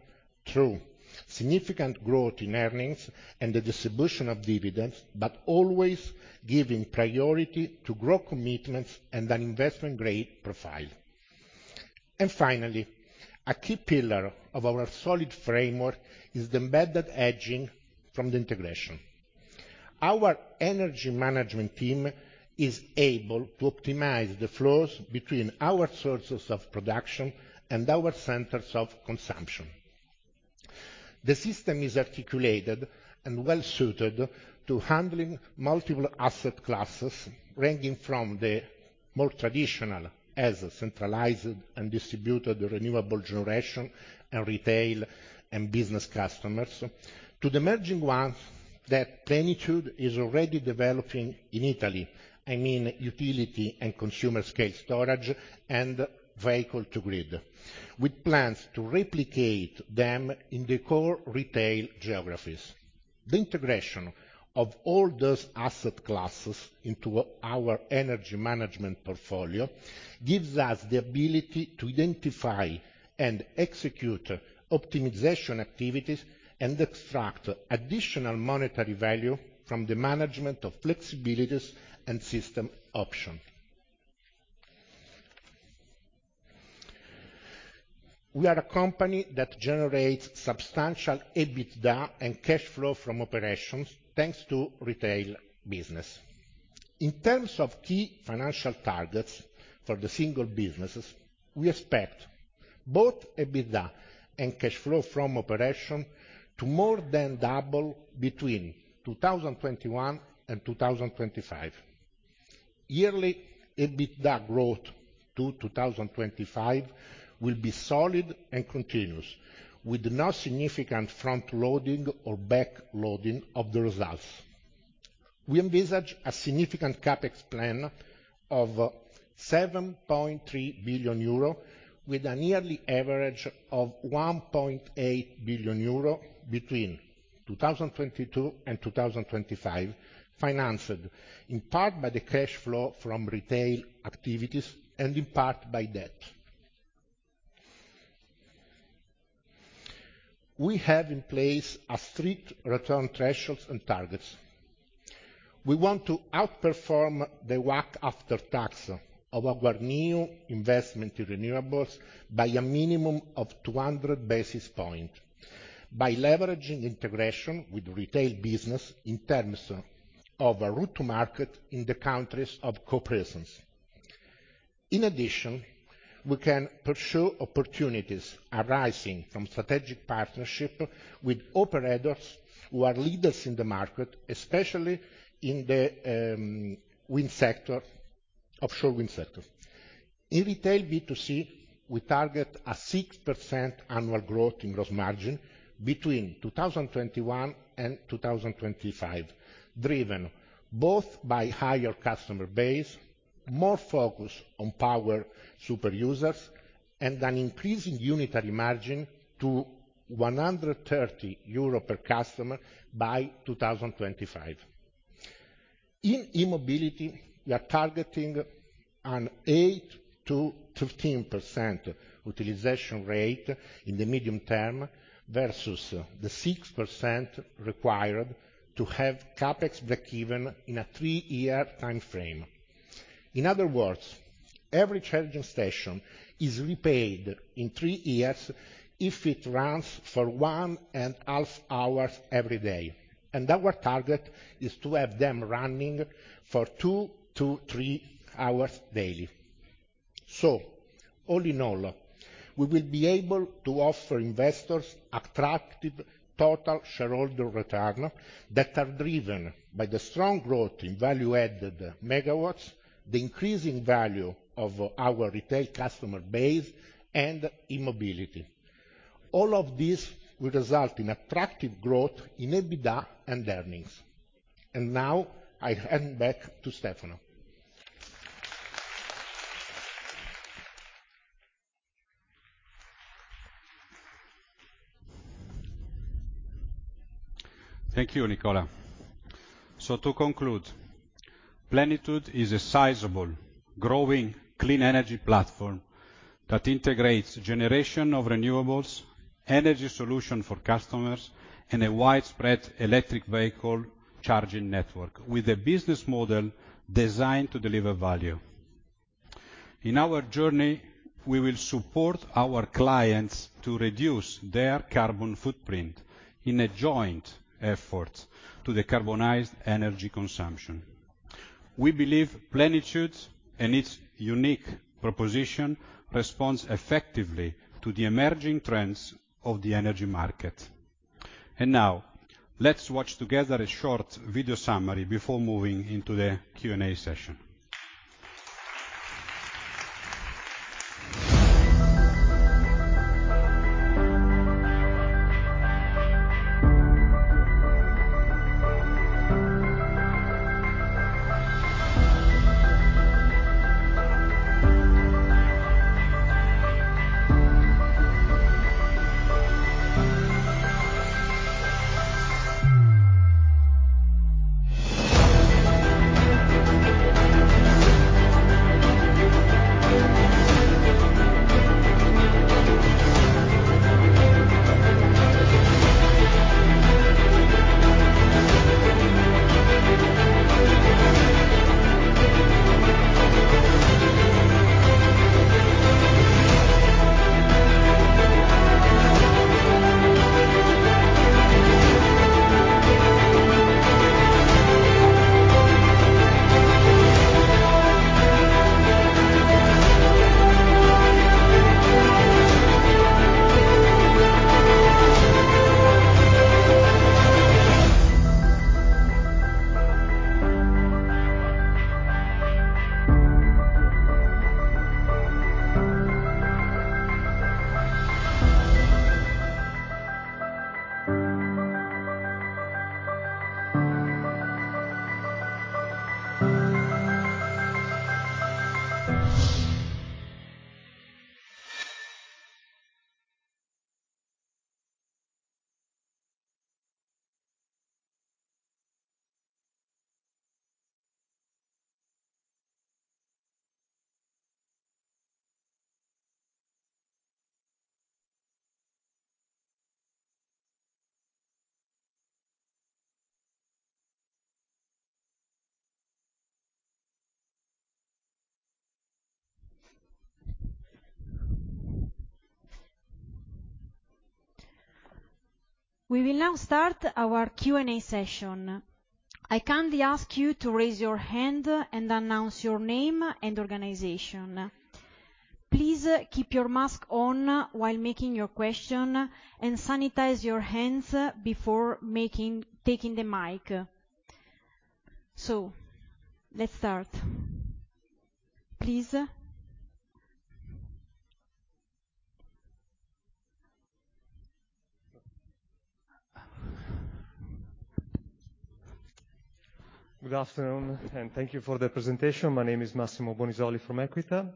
through significant growth in earnings and the distribution of dividends, but always giving priority to growth commitments and an investment grade profile. Finally, a key pillar of our solid framework is the embedded hedging from the integration. Our energy management team is able to optimize the flows between our sources of production and our centers of consumption. The system is articulated and well suited to handling multiple asset classes, ranging from the more traditional such as centralized and distributed renewable generation and retail and business customers, to the emerging ones that Plenitude is already developing in Italy. I mean, utility and consumer scale storage and vehicle to grid, with plans to replicate them in the core retail geographies. The integration of all those asset classes into our energy management portfolio gives us the ability to identify and execute optimization activities and extract additional monetary value from the management of flexibilities and system option. We are a company that generates substantial EBITDA and cash flow from operations, thanks to retail business. In terms of key financial targets for the single businesses, we expect both EBITDA and cash flow from operation to more than double between 2021 and 2025. Yearly EBITDA growth to 2025 will be solid and continuous, with no significant front-loading or back-loading of the results. We envisage a significant CapEx plan of 7.3 billion euro, with a yearly average of 1.8 billion euro between 2022 and 2025, financed in part by the cash flow from retail activities and in part by debt. We have in place a strict return thresholds and targets. We want to outperform the WACC after tax of our new investment in renewables by a minimum of 200 basis points, by leveraging integration with retail business in terms of a route to market in the countries of co-presence. In addition, we can pursue opportunities arising from strategic partnership with operators who are leaders in the market, especially in the wind sector, offshore wind sector. In retail B2C, we target a 6% annual growth in gross margin between 2021 and 2025, driven both by higher customer base, more focus on power super users, and an increasing unitary margin to 130 euro per customer by 2025. In e-mobility, we are targeting an 8%-13% utilization rate in the medium term versus the 6% required to have CapEx breakeven in a three year time frame. In other words, every charging station is repaid in three years if it runs for one and a half hours every day, and our target is to have them running for 2-3 hours daily. All in all, we will be able to offer investors attractive total shareholder return that are driven by the strong growth in value-added megawatts, the increasing value of our retail customer base, and e-mobility. All of this will result in attractive growth in EBITDA and earnings. Now I hand back to Stefano. Thank you, Nicola. To conclude, Plenitude is a sizable, growing clean energy platform that integrates generation of renewables, energy solution for customers, and a widespread electric vehicle charging network with a business model designed to deliver value. In our journey, we will support our clients to reduce their carbon footprint in a joint effort to decarbonize energy consumption. We believe Plenitude and its unique proposition responds effectively to the emerging trends of the energy market. Now let's watch together a short video summary before moving into the Q&A session. We will now start our Q&A session. I kindly ask you to raise your hand and announce your name and organization. Please keep your mask on while making your question, and sanitize your hands before taking the mic. Let's start. Please Good afternoon, and thank you for the presentation. My name is Massimo Bonisoli from Equita.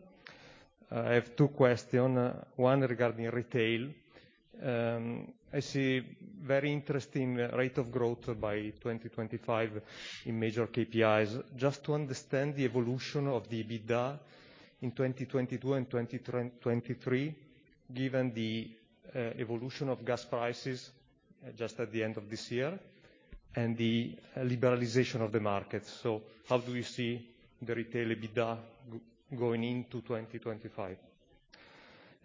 I have two questions. One regarding retail. I see very interesting rate of growth by 2025 in major KPIs. Just to understand the evolution of the EBITDA in 2022 and 2023, given the evolution of gas prices just at the end of this year and the liberalization of the market. How do you see the retail EBITDA going into 2025?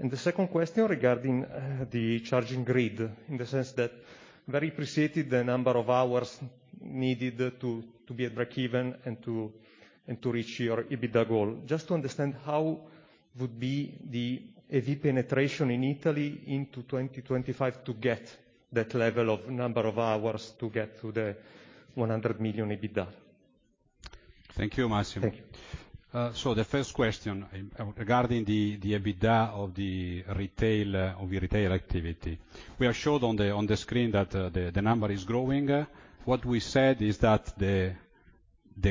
And the second question regarding the charging grid, in the sense that very appreciated the number of hours needed to be at breakeven and to reach your EBITDA goal. Just to understand how would be the EV penetration in Italy into 2025 to get that level of number of hours to get to the 100 million EBITDA. Thank you, Massimo. Thank you. The first question regarding the EBITDA of your retail activity. We are shown on the screen that the number is growing. What we said is that the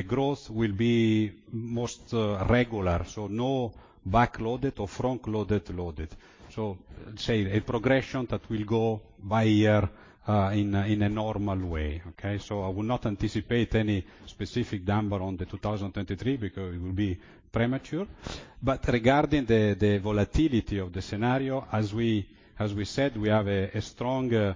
growth will be mostly regular, so no back-loaded or front-loaded. Such a progression that will go by year in a normal way. Okay? I will not anticipate any specific number for 2023 because it will be premature. Regarding the volatility of the scenario, as we said, we have a strong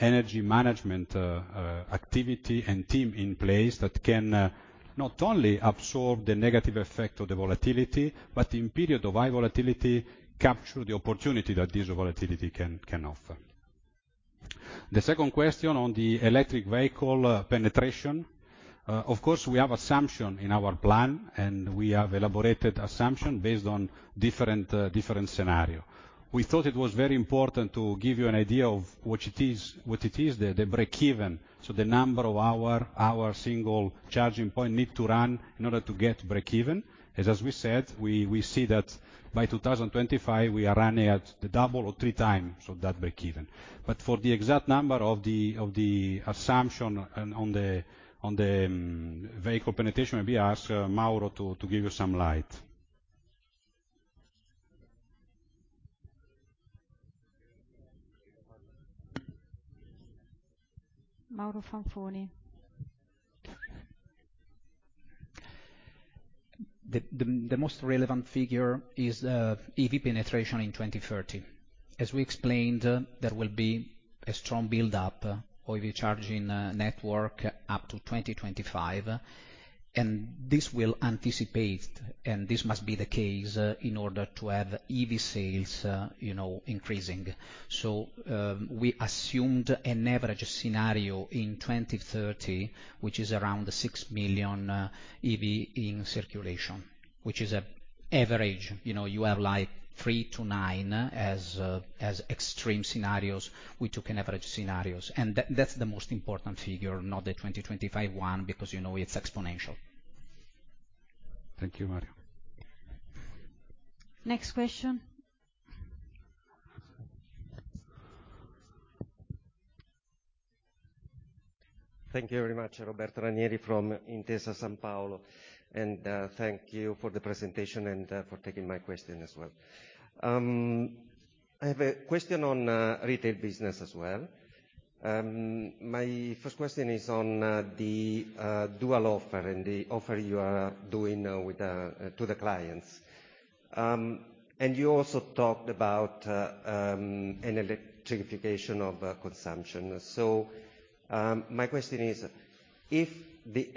energy management activity and team in place that can not only absorb the negative effect of the volatility, but in periods of high volatility, capture the opportunity that this volatility can offer. The second question on the electric vehicle penetration. Of course, we have assumption in our plan, and we have elaborated assumption based on different scenario. We thought it was very important to give you an idea of what it is the breakeven, so the number of hour our single charging point need to run in order to get breakeven. As we said, we see that by 2025, we are running at the double or three times of that breakeven. But for the exact number of the assumption on the vehicle penetration, maybe I ask Mauro to give you some light. Mauro Fanfoni. The most relevant figure is EV penetration in 2030. As we explained, there will be a strong build up of the charging network up to 2025. This will anticipate, and this must be the case in order to have EV sales, you know, increasing. We assumed an average scenario in 2030, which is around the 6 million EV in circulation, which is an average. You know, you have, like, 3-9 as extreme scenarios. We took an average scenarios. That's the most important figure, not the 2025 one, because, you know, it's exponential. Thank you, Mauro. Next question. Thank you very much. Roberto Ranieri from Intesa Sanpaolo, and thank you for the presentation and for taking my question as well. I have a question on retail business as well. My first question is on the dual offer and the offer you are doing with to the clients. And you also talked about an electrification of consumption. My question is, if the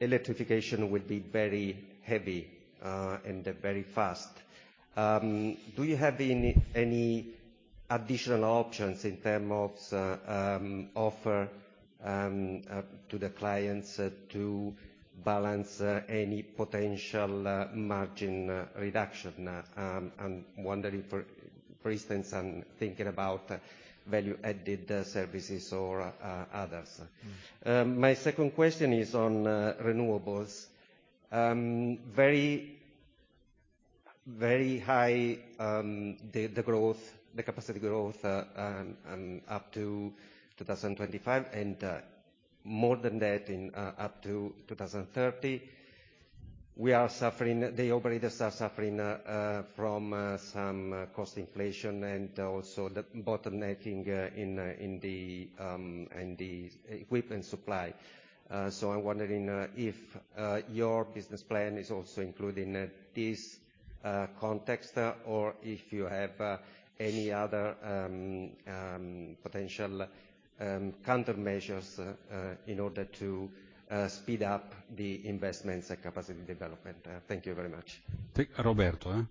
electrification will be very heavy and very fast, do you have any additional options in terms of offer to the clients to balance any potential margin reduction? I'm wondering for instance, I'm thinking about value-added services or others. My second question is on renewables. Very high, the growth, the capacity growth up to 2025 and more than that up to 2030. The operators are suffering from some cost inflation and also the bottlenecking in the equipment supply. I'm wondering if your business plan is also including this context, or if you have any other potential countermeasures in order to speed up the investments and capacity development. Thank you very much. Take Roberto? Roberto.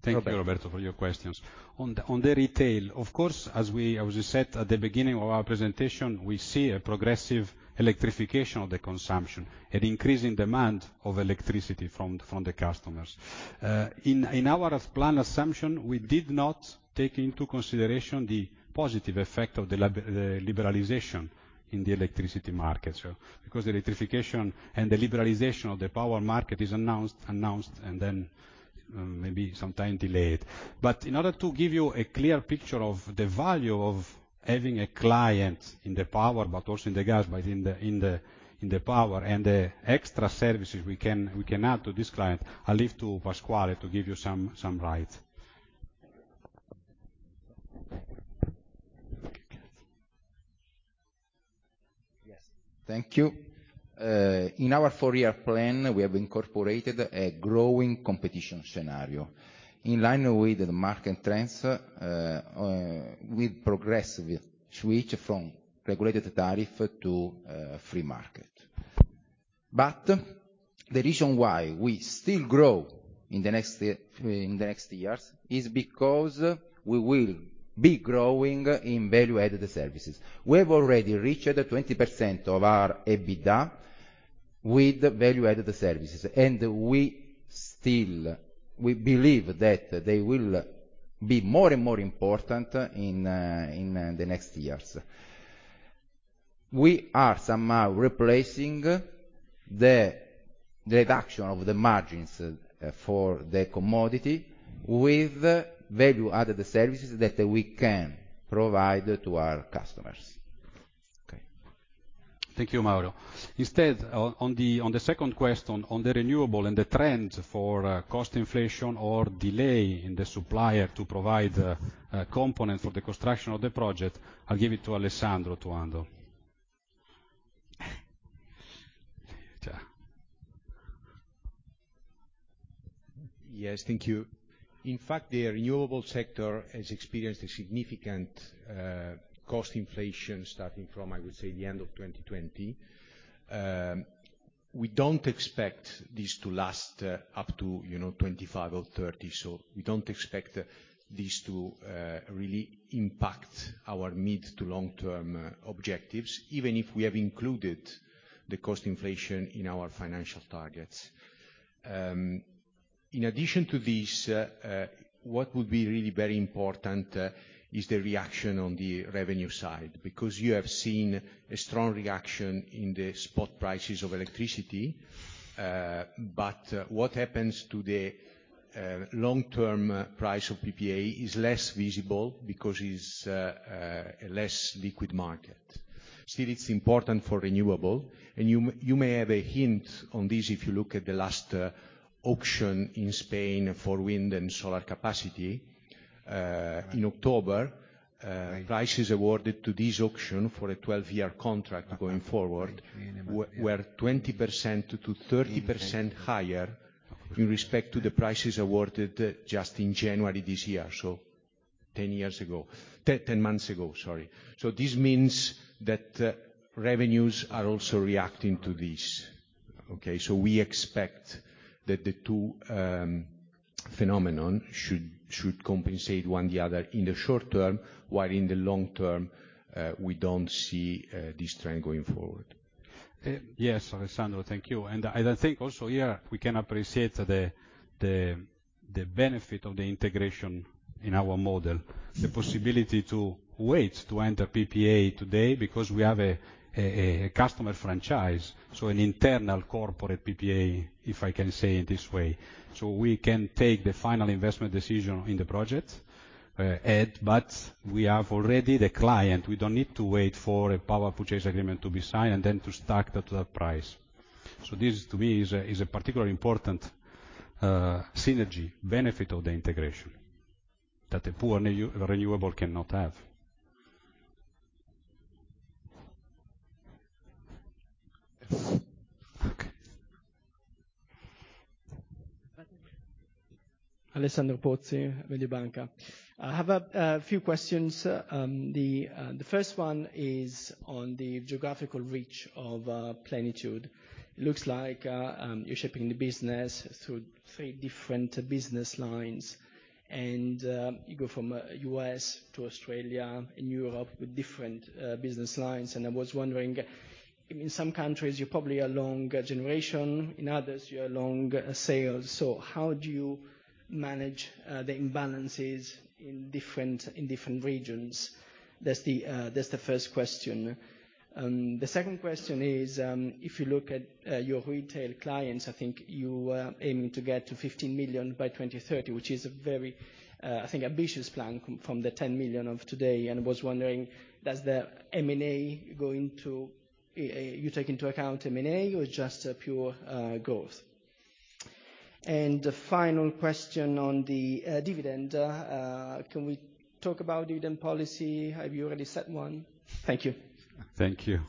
Thank you, Roberto, for your questions. On the retail, of course, as we said at the beginning of our presentation, we see a progressive electrification of the consumption, an increase in demand of electricity from the customers. In our plan assumption, we did not take into consideration the positive effect of the liberalization in the electricity market. The electrification and the liberalization of the power market is announced, and then maybe sometimes delayed. In order to give you a clear picture of the value of having a client in the power, but also in the gas, in the power and the extra services we can add to this client, I leave to Pasquale to give you some light. Thank you. In our four-year plan, we have incorporated a growing competition scenario. In line with the market trends, we progressively switch from regulated tariff to free market. The reason why we still grow in the next years is because we will be growing in value-added services. We have already reached 20% of our EBITDA with value-added services, and we believe that they will be more and more important in the next years. We are somehow replacing the reduction of the margins for the commodity with value-added services that we can provide to our customers. Okay. Thank you, Pasquale. Instead, on the second question, on the renewables and the trend for cost inflation or delay in the suppliers to provide components for the construction of the project, I'll give it to Alessandro to handle. Ciao. Yes. Thank you. In fact, the renewable sector has experienced a significant cost inflation starting from, I would say, the end of 2020. We don't expect this to last up to, you know, 2025 or 2030, so we don't expect this to really impact our mid to long-term objectives, even if we have included the cost inflation in our financial targets. In addition to this, what would be really very important is the reaction on the revenue side. Because you have seen a strong reaction in the spot prices of electricity, but what happens to the long-term price of PPA is less visible because it's a less liquid market. Still, it's important for renewable, and you may have a hint on this if you look at the last auction in Spain for wind and solar capacity, in October. Prices awarded to this auction for a 12-year contract going forward were 20%-30% higher in respect to the prices awarded just in January this year. 10 months ago, sorry. This means that revenues are also reacting to this. Okay? We expect that the two phenomenon should compensate one the other in the short term, while in the long term, we don't see this trend going forward. Yes, Alessandro, thank you. I think also here we can appreciate the benefit of the integration in our model. The possibility to wait to enter PPA today because we have a customer franchise, so an internal corporate PPA, if I can say in this way. We can take the final investment decision in the project. But we have already the client. We don't need to wait for a power purchase agreement to be signed and then to stack that to that price. This, to me, is a particularly important synergy benefit of the integration that a pure renewable cannot have. Alessandro Pozzi, Mediobanca. I have a few questions. The first one is on the geographical reach of Plenitude. Looks like you're shaping the business through three different business lines, and you go from U.S. to Australia and Europe with different business lines. I was wondering, in some countries, you're probably along generation, in others, you're along sales. How do you manage the imbalances in different regions? That's the first question. The second question is, if you look at your retail clients, I think you aiming to get to 15 million by 2030, which is a very I think ambitious plan from the 10 million of today. I was wondering, you take into account M&A, or just pure growth? The final question on the dividend, can we talk about dividend policy? Have you already set one? Thank you. Thank you.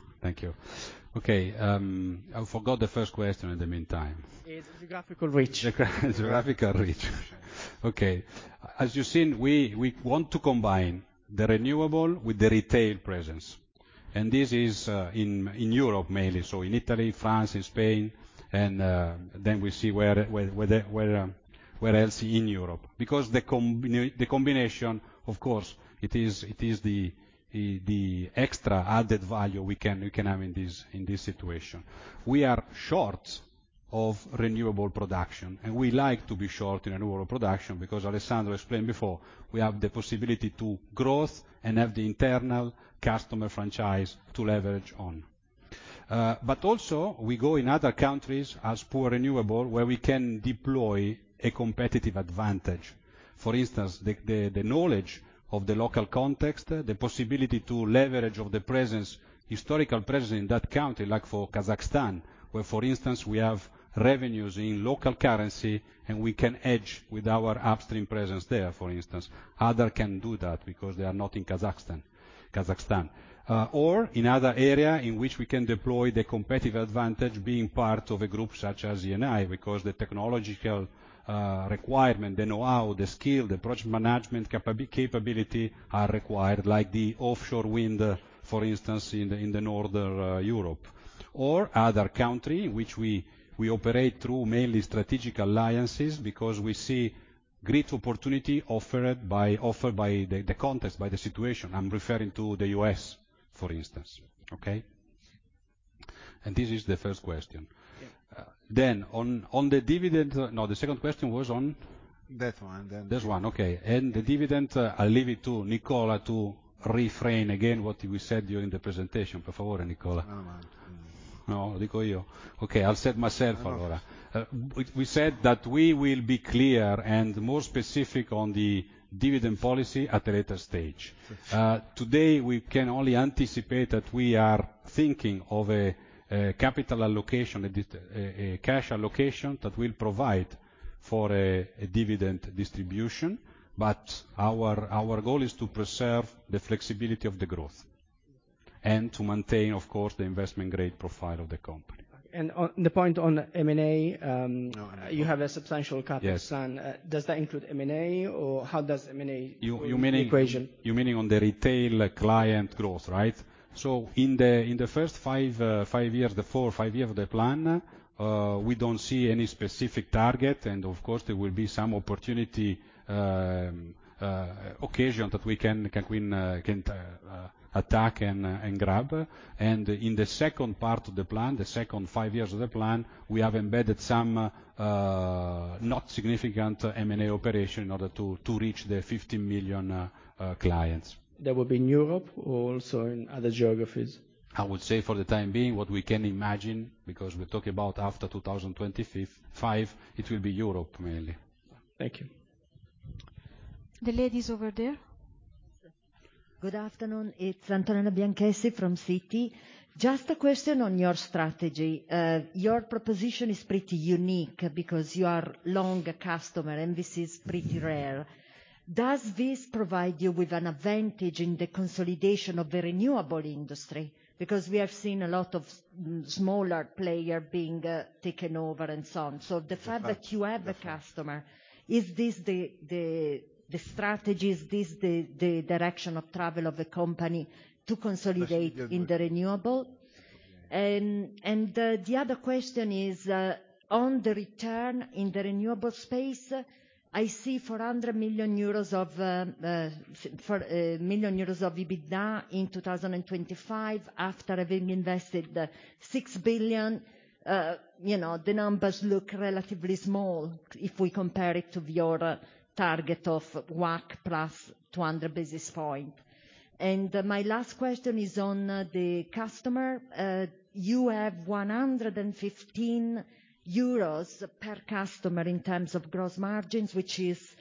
Okay, I forgot the first question in the meantime. It's geographical reach. Geographical reach. Okay. As you've seen, we want to combine the renewable with the retail presence, and this is in Europe mainly, so in Italy, France, in Spain. Then we see where else in Europe. Because the combination, of course, it is the extra added value we can have in this situation. We are short of renewable production, and we like to be short in renewable production because Alessandro explained before. We have the possibility to grow and have the internal customer franchise to leverage on. But also we go in other countries where we are poor in renewable, where we can deploy a competitive advantage. For instance, the knowledge of the local context, the possibility to leverage the presence, historical presence in that country, like for Kazakhstan, where, for instance, we have revenues in local currency, and we can hedge with our upstream presence there, for instance. Others can't do that because they are not in Kazakhstan or in other areas in which we can deploy the competitive advantage being part of a group such as Eni, because the technological requirement, the know-how, the skill, the project management capability are required, like offshore wind, for instance, in northern Europe. Or other countries in which we operate through mainly strategic alliances because we see great opportunity offered by the context, by the situation. I'm referring to the U.S., for instance. Okay? This is the first question. Yeah. No, the second question was on? That one. This one, okay. The dividend, I'll leave it to Nicola to reframe again what we said during the presentation. Okay, I'll say it myself. We said that we will be clear and more specific on the dividend policy at a later stage. Today, we can only anticipate that we are thinking of a capital allocation, a cash allocation that will provide for a dividend distribution. Our goal is to preserve the flexibility of the growth, and to maintain, of course, the investment grade profile of the company. On the point on M&A. Oh. You have a substantial cap to spend. Yes. Does t`hat include M&A, or how does M&A go with the equation? You meaning on the retail client growth, right? In the first five years, the four or five year of the plan, we don't see any specific target, and of course there will be some opportunity, occasion that we can win, can attack and grab. In the second part of the plan, the second five years of the plan, we have embedded some not significant M&A operation in order to reach the 50 million clients. That would be in Europe or also in other geographies? I would say for the time being, what we can imagine, because we're talking about after 2025, 5, it will be Europe mainly. Thank you. The ladies over there. Good afternoon. It's Antonella Bianchessi from Citi. Just a question on your strategy. Your proposition is pretty unique because you are long a customer, and this is pretty rare. Does this provide you with an advantage in the consolidation of the renewable industry? Because we have seen a lot of smaller player being taken over and so on. The fact that you have the customer, is this the strategy, is this the direction of travel of the company to consolidate in the renewable? The other question is on the return in the renewable space. I see 400 million euros of EBITDA in 2025 after having invested 6 billion. You know, the numbers look relatively small if we compare it to your target of WACC + 200 basis points. My last question is on the customer. You have 115 euros per customer in terms of gross margins, which is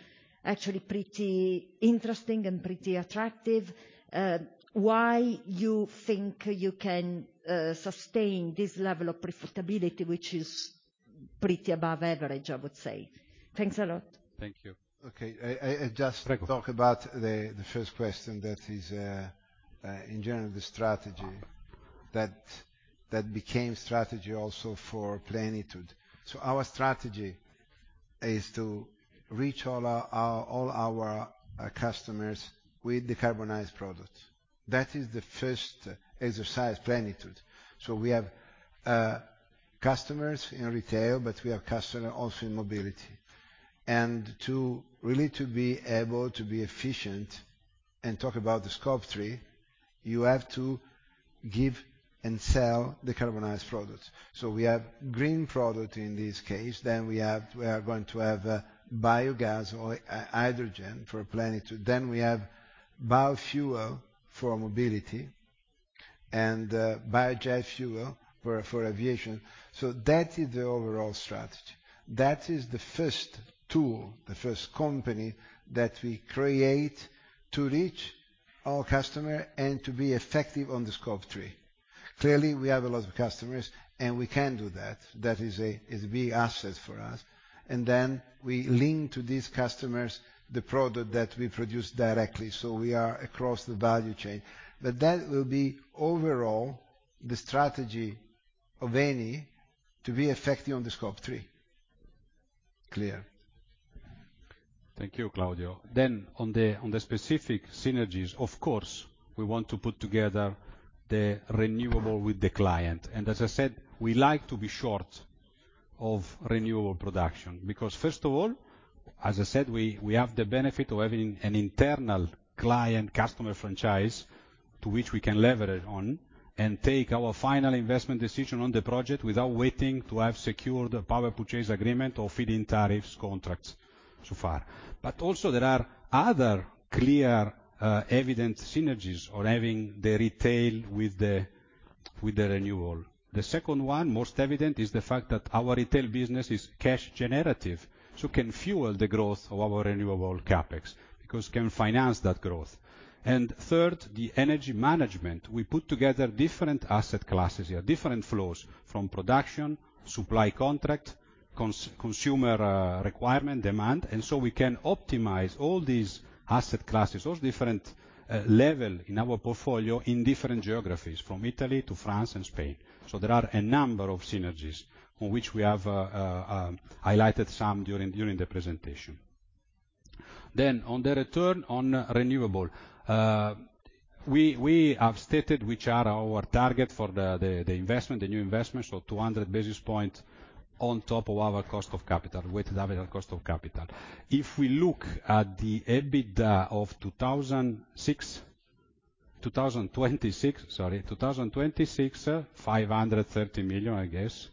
actually pretty interesting and pretty attractive. Why you think you can sustain this level of profitability, which is pretty above average, I would say? Thanks a lot. Thank you. Okay. I just talk about the first question that is in general the strategy that became strategy also for Plenitude. Our strategy is to reach all our customers with decarbonized products. That is the first exercise, Plenitude. We have customers in retail, but we have customer also in mobility. To really be able to be efficient and talk about the Scope 3, you have to give and sell decarbonized products. We have green product in this case, then we are going to have biogas or hydrogen for Plenitude. Then we have biofuel for mobility and biojet fuel for aviation. That is the overall strategy. That is the first tool, the first company that we create to reach our customer and to be effective on the Scope 3. Clearly, we have a lot of customers, and we can do that. That is a big asset for us. Then we link to these customers the product that we produce directly, so we are across the value chain. That will be overall the strategy of Eni to be effective on the Scope 3. Clear. Thank you, Claudio. On the specific synergies, of course, we want to put together the renewables with the client. As I said, we like to be sort of renewables production, because first of all, as I said, we have the benefit of having an internal client customer franchise to which we can leverage on and take our final investment decision on the project without waiting to have secured the power purchase agreement or feed-in tariffs contracts so far. Also there are other clear, evident synergies on having the retail with the renewables. The second one, most evident, is the fact that our retail business is cash generative, so can fuel the growth of our renewables CapEx, because it can finance that growth. Third, the energy management. We put together different asset classes here, different flows from production, supply contract, consumer requirement, demand. We can optimize all these asset classes, all different levels in our portfolio in different geographies, from Italy to France and Spain. There are a number of synergies on which we have highlighted some during the presentation. On the return on renewable, we have stated which are our target for the new investment, so 200 basis points on top of our cost of capital, weighted average cost of capital. If we look at the EBITDA of 2026, 530 million, I guess,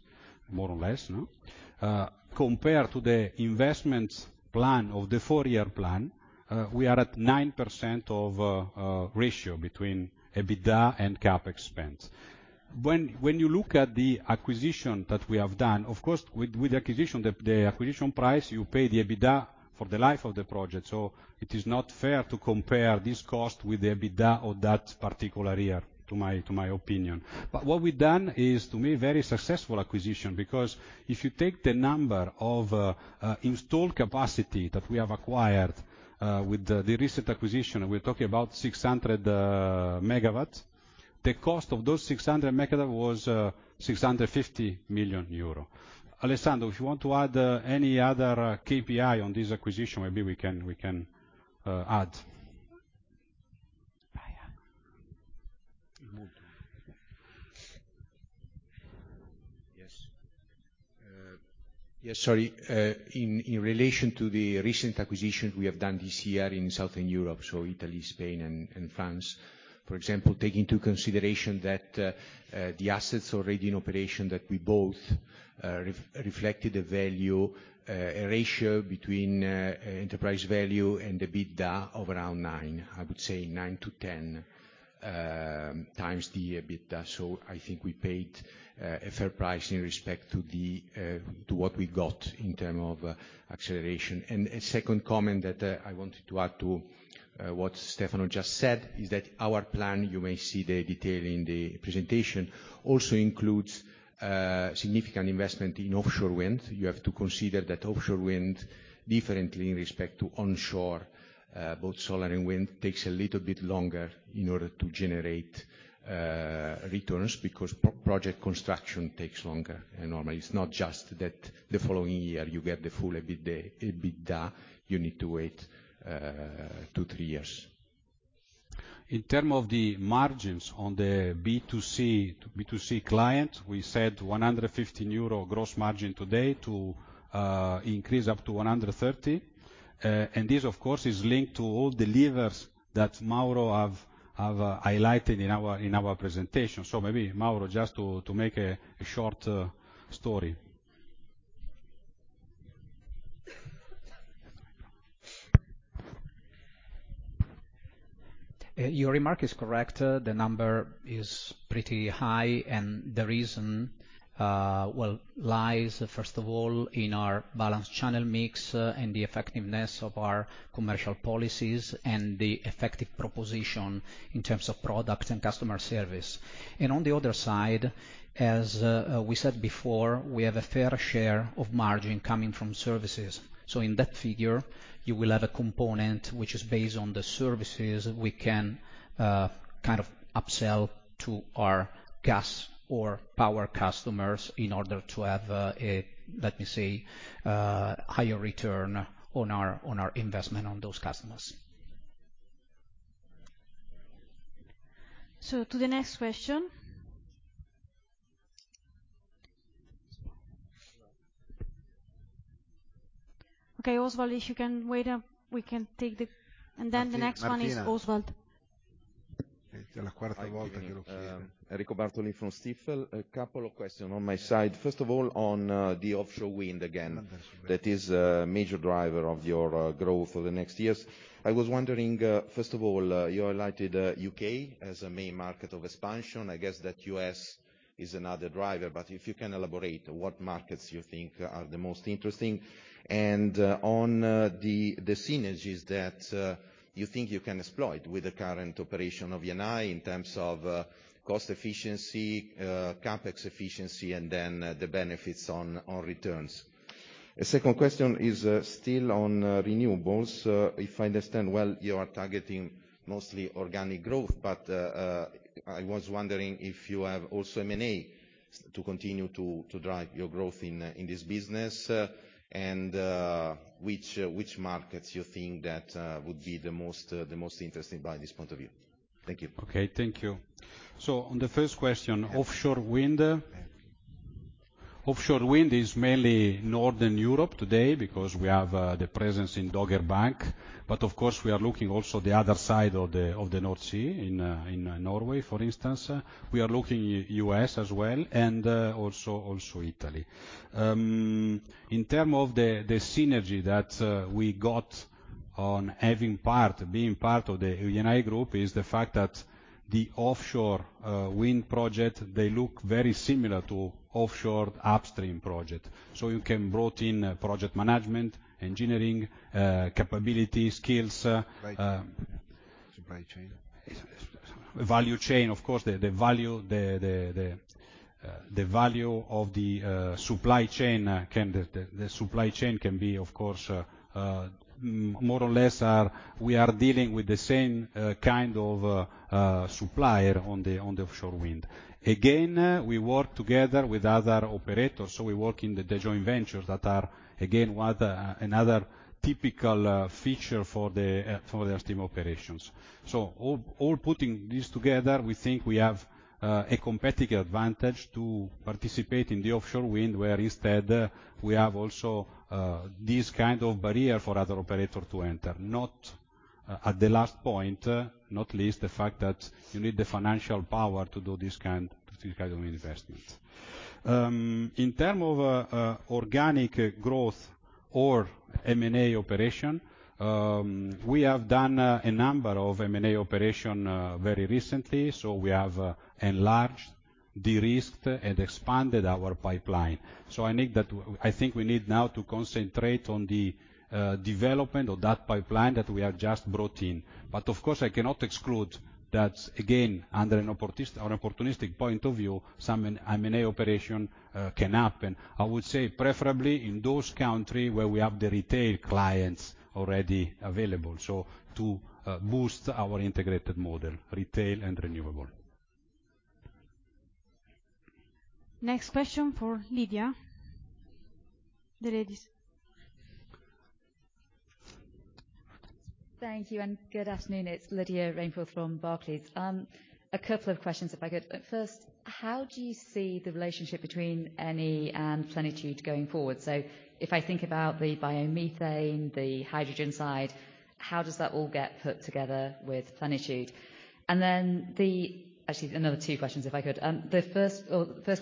more or less, no? Compared to the investment plan of the four-year plan, we are at 9% ratio between EBITDA and CapEx spend. When you look at the acquisition that we have done, of course, with the acquisition, the acquisition price, you pay the EBITDA for the life of the project. It is not fair to compare this cost with the EBITDA of that particular year, in my opinion. What we've done is, to me, very successful acquisition, because if you take the number of installed capacity that we have acquired with the recent acquisition, we're talking about 600 MW. The cost of those 600 MW was 650 million euro. Alessandro, if you want to add any other KPI on this acquisition, maybe we can add. Yes, sorry. In relation to the recent acquisitions we have done this year in Southern Europe, so Italy, Spain and France, for example, take into consideration that the assets already in operation that we both reflected a value, a ratio between enterprise value and EBITDA of around nine. I would say 9-10x the EBITDA. I think we paid a fair price in respect to what we got in terms of acceleration. A second comment that I wanted to add to what Stefano just said is that our plan, you may see the detail in the presentation, also includes significant investment in offshore wind. You have to consider that offshore wind differently in respect to onshore, both solar and wind takes a little bit longer in order to generate returns because per-project construction takes longer. Normally it's not just that the following year you get the full EBITDA, you need to wait 2-3 years. In terms of the margins on the B2C client, we said 115 euro gross margin today to increase up to 130. This of course is linked to all the levers that Mauro have highlighted in our presentation. Maybe Mauro, just to make a short story. Your remark is correct. The number is pretty high, and the reason lies first of all in our balanced channel mix and the effectiveness of our commercial policies and the effective proposition in terms of product and customer service. On the other side, we said before, we have a fair share of margin coming from services. In that figure, you will have a component which is based on the services we can kind of upsell to our gas or power customers in order to have a, let me say, higher return on our investment on those customers. To the next question. Okay, Oswald, if you can wait. Then the next one is Oswald. Martino. Enrico Bartoli from Stifel. A couple of questions on my side. First of all, on the offshore wind, again, that is a major driver of your growth for the next years. I was wondering, first of all, you highlighted U.K. as a main market of expansion. I guess that U.S. is another driver, but if you can elaborate what markets you think are the most interesting. On the synergies that you think you can exploit with the current operation of Eni in terms of cost efficiency, CapEx efficiency, and then the benefits on returns. A second question is still on renewables. If I understand well, you are targeting mostly organic growth, but I was wondering if you have also M&A to continue to drive your growth in this business, and which markets you think that would be the most interesting by this point of view. Thank you. Okay, thank you. On the first question, offshore wind. Offshore wind is mainly northern Europe today because we have the presence in Dogger Bank. Of course, we are also looking at the other side of the North Sea in Norway, for instance. We are looking U.S. as well and also Italy. In terms of the synergy that we get from being part of the Eni group, it is the fact that the offshore wind projects look very similar to offshore upstream projects. You can bring in project management, engineering capability skills. Supply chain. Value chain. Of course, the value of the supply chain can. The supply chain can be, of course, more or less, we are dealing with the same kind of supplier on the offshore wind. Again, we work together with other operators, so we work in the joint ventures that are, again, another typical feature for the upstream operations. Overall putting this together, we think we have a competitive advantage to participate in the offshore wind, where instead we have also this kind of barrier for other operators to enter. Last but not least, the fact that you need the financial power to do this kind of investment. In terms of organic growth or M&A operation, we have done a number of M&A operation very recently, so we have enlarged, de-risked, and expanded our pipeline. I think we need now to concentrate on the development of that pipeline that we have just brought in. Of course, I cannot exclude that, again, under an opportunistic point of view, some M&A operation can happen. I would say preferably in those countries where we have the retail clients already available, so to boost our integrated model, retail and renewable. Next question for Lydia. The ladies. Thank you and good afternoon. It's Lydia Rainforth from Barclays. A couple of questions if I could. First, how do you see the relationship between Eni and Plenitude going forward? So if I think about the biomethane, the hydrogen side, how does that all get put together with Plenitude? Actually, another two questions if I could. The first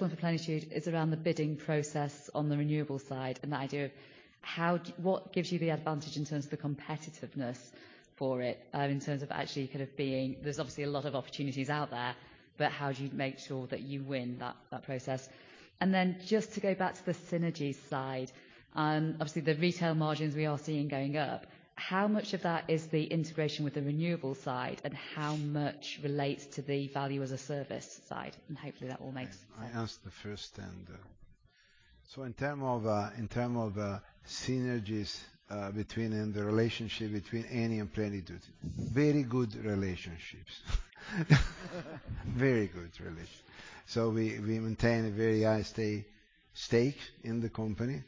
one for Plenitude is around the bidding process on the renewable side, and the idea of What gives you the advantage in terms of the competitiveness for it, in terms of actually kind of being. There's obviously a lot of opportunities out there, but how do you make sure that you win that process? Then just to go back to the synergies side, obviously, the retail margins we are seeing going up, how much of that is the integration with the renewable side, and how much relates to the value as a service side? Hopefully that all makes sense. I answer the first then. In terms of synergies between Eni and Plenitude, and the relationship between Eni and Plenitude, very good relationships. Very good relations. We maintain a very high stake in the company.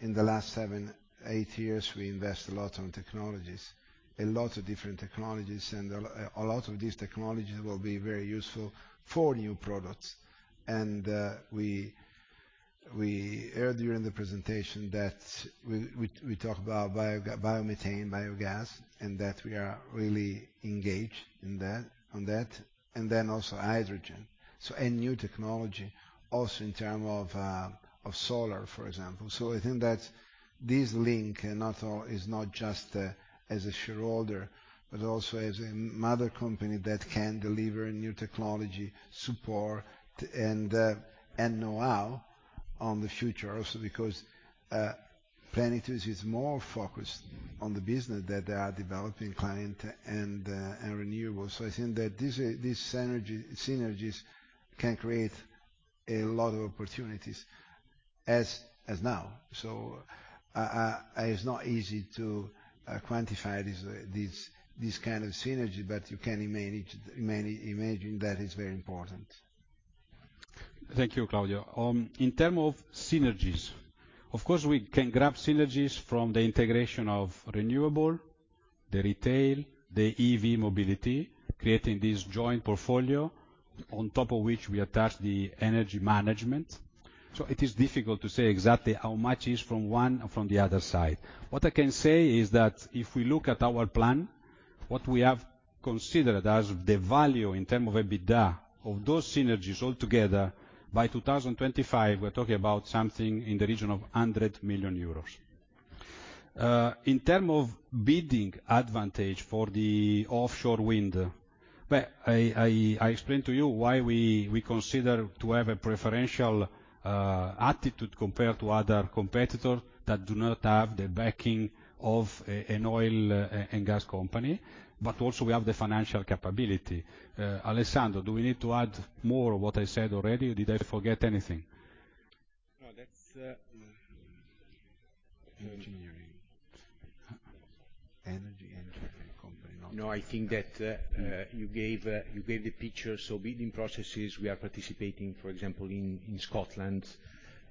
In the last seven, eight years, we invest a lot on technologies, a lot of different technologies, and a lot of these technologies will be very useful for new products. We heard during the presentation that we talk about biomethane, biogas, and that we are really engaged in that, and then also hydrogen. Any new technology also in terms of solar, for example. I think that this link is not just as a shareholder, but also as a mother company that can deliver new technology, support, and know-how for the future also because Plenitude is more focused on the business that they are developing clients and renewables. I think that these synergies can create a lot of opportunities as of now. It's not easy to quantify this kind of synergy, but you can imagine that is very important. Thank you, Claudio. In terms of synergies, of course, we can grab synergies from the integration of renewable, the retail, the EV mobility, creating this joint portfolio on top of which we attach the energy management. It is difficult to say exactly how much is from one or from the other side. What I can say is that if we look at our plan, what we have considered as the value in terms of EBITDA of those synergies all together, by 2025, we're talking about something in the region of 100 million euros. In terms of bidding advantage for the offshore wind, I explained to you why we consider to have a preferential attitude compared to other competitor that do not have the backing of an oil and gas company, but also we have the financial capability. Alessandro, do we need to add more of what I said already? Did I forget anything? No, that's engineering. Energy and different company. I think that you gave the picture. Bidding processes we are participating, for example, in Scotland,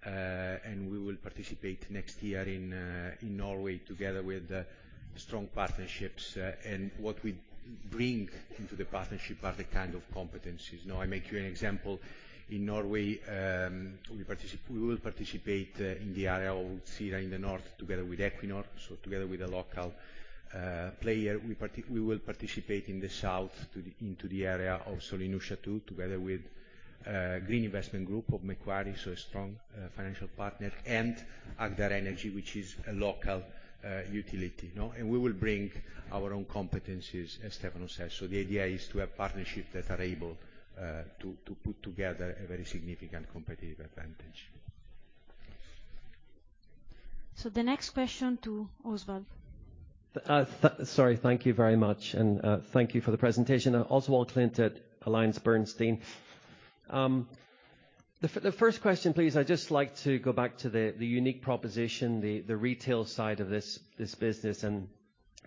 and we will participate next year in Norway together with strong partnerships. What we bring into the partnership are the kind of competencies. Now, I make you an example. In Norway, we will participate in the area of Utsira Nord together with Equinor, the local We will participate into the area of Sørlige Nordsjø II, together with Green Investment Group of Macquarie, so a strong financial partner, and Agder Energi, which is a local utility, you know? We will bring our own competencies, as Stefano said. The idea is to have partnerships that are able to put together a very significant competitive advantage. The next question to Oswald. Sorry, thank you very much. Thank you for the presentation. Oswald Clint at AllianceBernstein. The first question, please. I'd just like to go back to the unique proposition, the retail side of this business and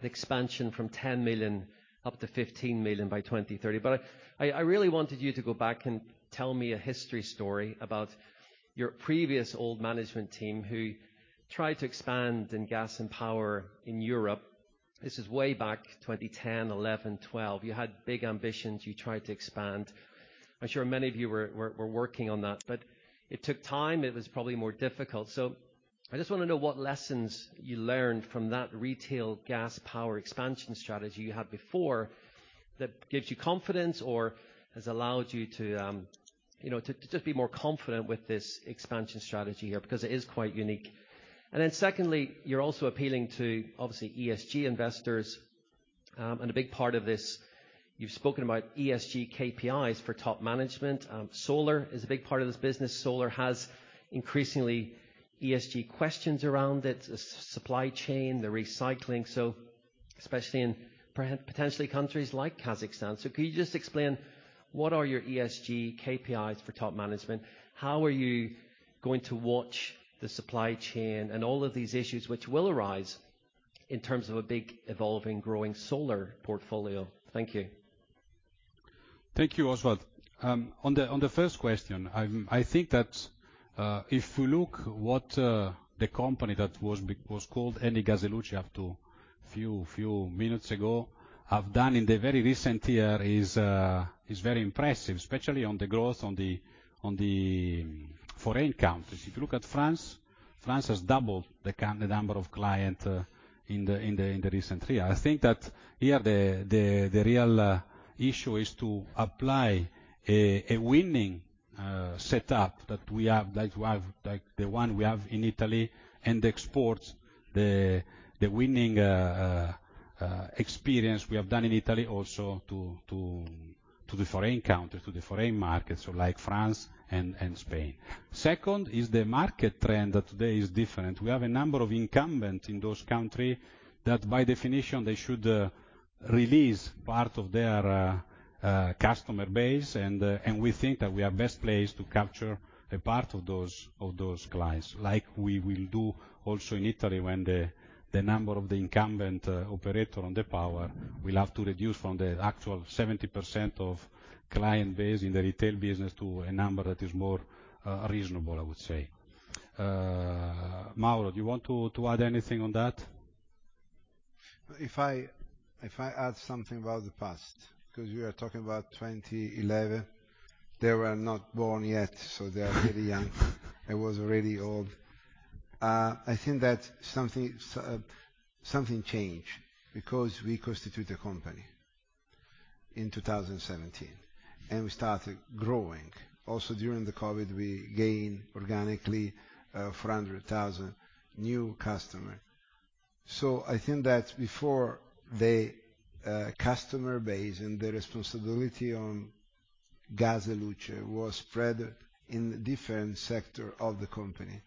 the expansion from 10 million up to 15 million by 2030. I really wanted you to go back and tell me a history story about your previous old management team who tried to expand in gas and power in Europe. This is way back, 2010, 2011, 2012. You had big ambitions. You tried to expand. I'm sure many of you were working on that, but it took time. It was probably more difficult. I just wanna know what lessons you learned from that retail gas power expansion strategy you had before that gives you confidence or has allowed you to, you know, just be more confident with this expansion strategy here, because it is quite unique. Secondly, you're also appealing to, obviously, ESG investors, and a big part of this, you've spoken about ESG KPIs for top management. Solar is a big part of this business. Solar has increasingly ESG questions around it, the supply chain, the recycling, so especially in potentially countries like Kazakhstan. Could you just explain what are your ESG KPIs for top management? How are you going to watch the supply chain and all of these issues which will arise in terms of a big, evolving, growing solar portfolio? Thank you. Thank you, Oswald. On the first question, I think that if we look what the company that was called Eni gas e luce up to few minutes ago have done in the very recent year is very impressive, especially on the growth on the foreign countries. If you look at France has doubled the number of client in the recent year. I think that here the real issue is to apply a winning setup that we have like the one we have in Italy, and export the winning experience we have done in Italy also to the foreign countries to the foreign markets like France and Spain. Second is the market trend that today is different. We have a number of incumbents in those countries that by definition they should release part of their customer base. And we think that we are best placed to capture a part of those clients, like we will do also in Italy when the number of the incumbent operators on the power will have to reduce from the actual 70% of client base in the retail business to a number that is more reasonable, I would say. Mauro, do you want to add anything on that? If I add something about the past, because we are talking about 2011, they were not born yet, so they are really young. I was already old. I think that something changed because we constitute the company in 2017, and we started growing. Also, during the COVID, we gained organically 400,000 new customer. I think that before the customer base and the responsibility on Eni gas e luce was spread in different sector of the company.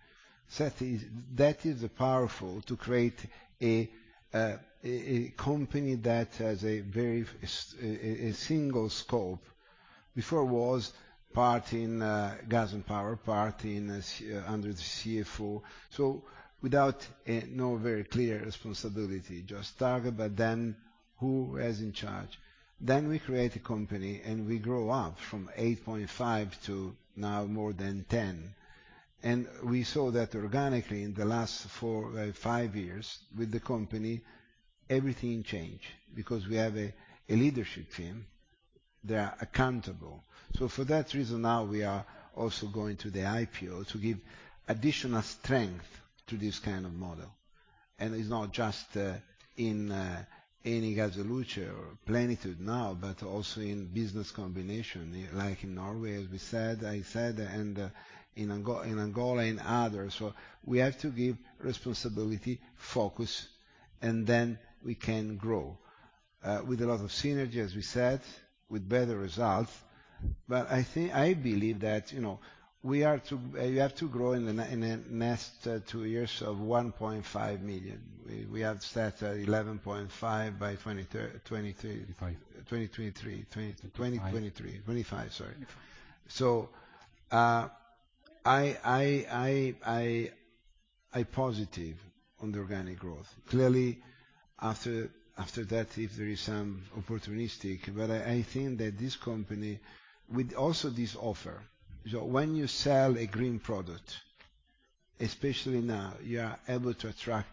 That is powerful to create a single Scope. Before was part in gas and power, part in the CFO under the CFO. Without no very clear responsibility, just target, but then who is in charge? We create a company, and we grow up from 8.5 to now more than 10. We saw that organically in the last 4-5 years with the company. Everything change because we have a leadership team. They are accountable. For that reason, now we are also going to the IPO to give additional strength to this kind of model. It's not just in Eni gas e luce or Plenitude now, but also in business combination, like in Norway, as we said, I said, and in Angola and others. We have to give responsibility, focus, and then we can grow with a lot of synergy, as we said, with better results. I think, I believe that, you know, we have to grow in the next two years of 1.5 million. We have set 11.5 by 2023. 2025. 2023. Five. 2025, sorry. 25. I'm positive on the organic growth. Clearly, after that, if there is some opportunistic, but I think that this company with also this offer, when you sell a green product, especially now, you are able to attract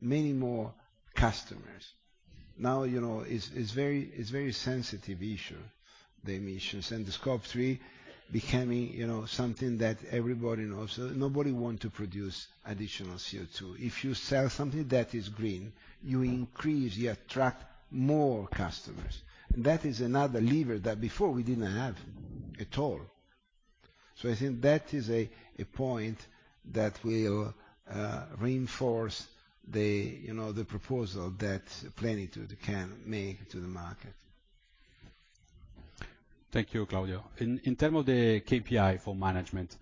many more customers. Now, you know, it's very sensitive issue, the emissions, and the Scope 3 becoming, you know, something that everybody knows. Nobody want to produce additional CO2. If you sell something that is green, you increase, you attract more customers. That is another lever that before we didn't have at all. I think that is a point that will reinforce the, you know, the proposal that Plenitude can make to the market. Thank you, Mauro. In terms of the KPI for management,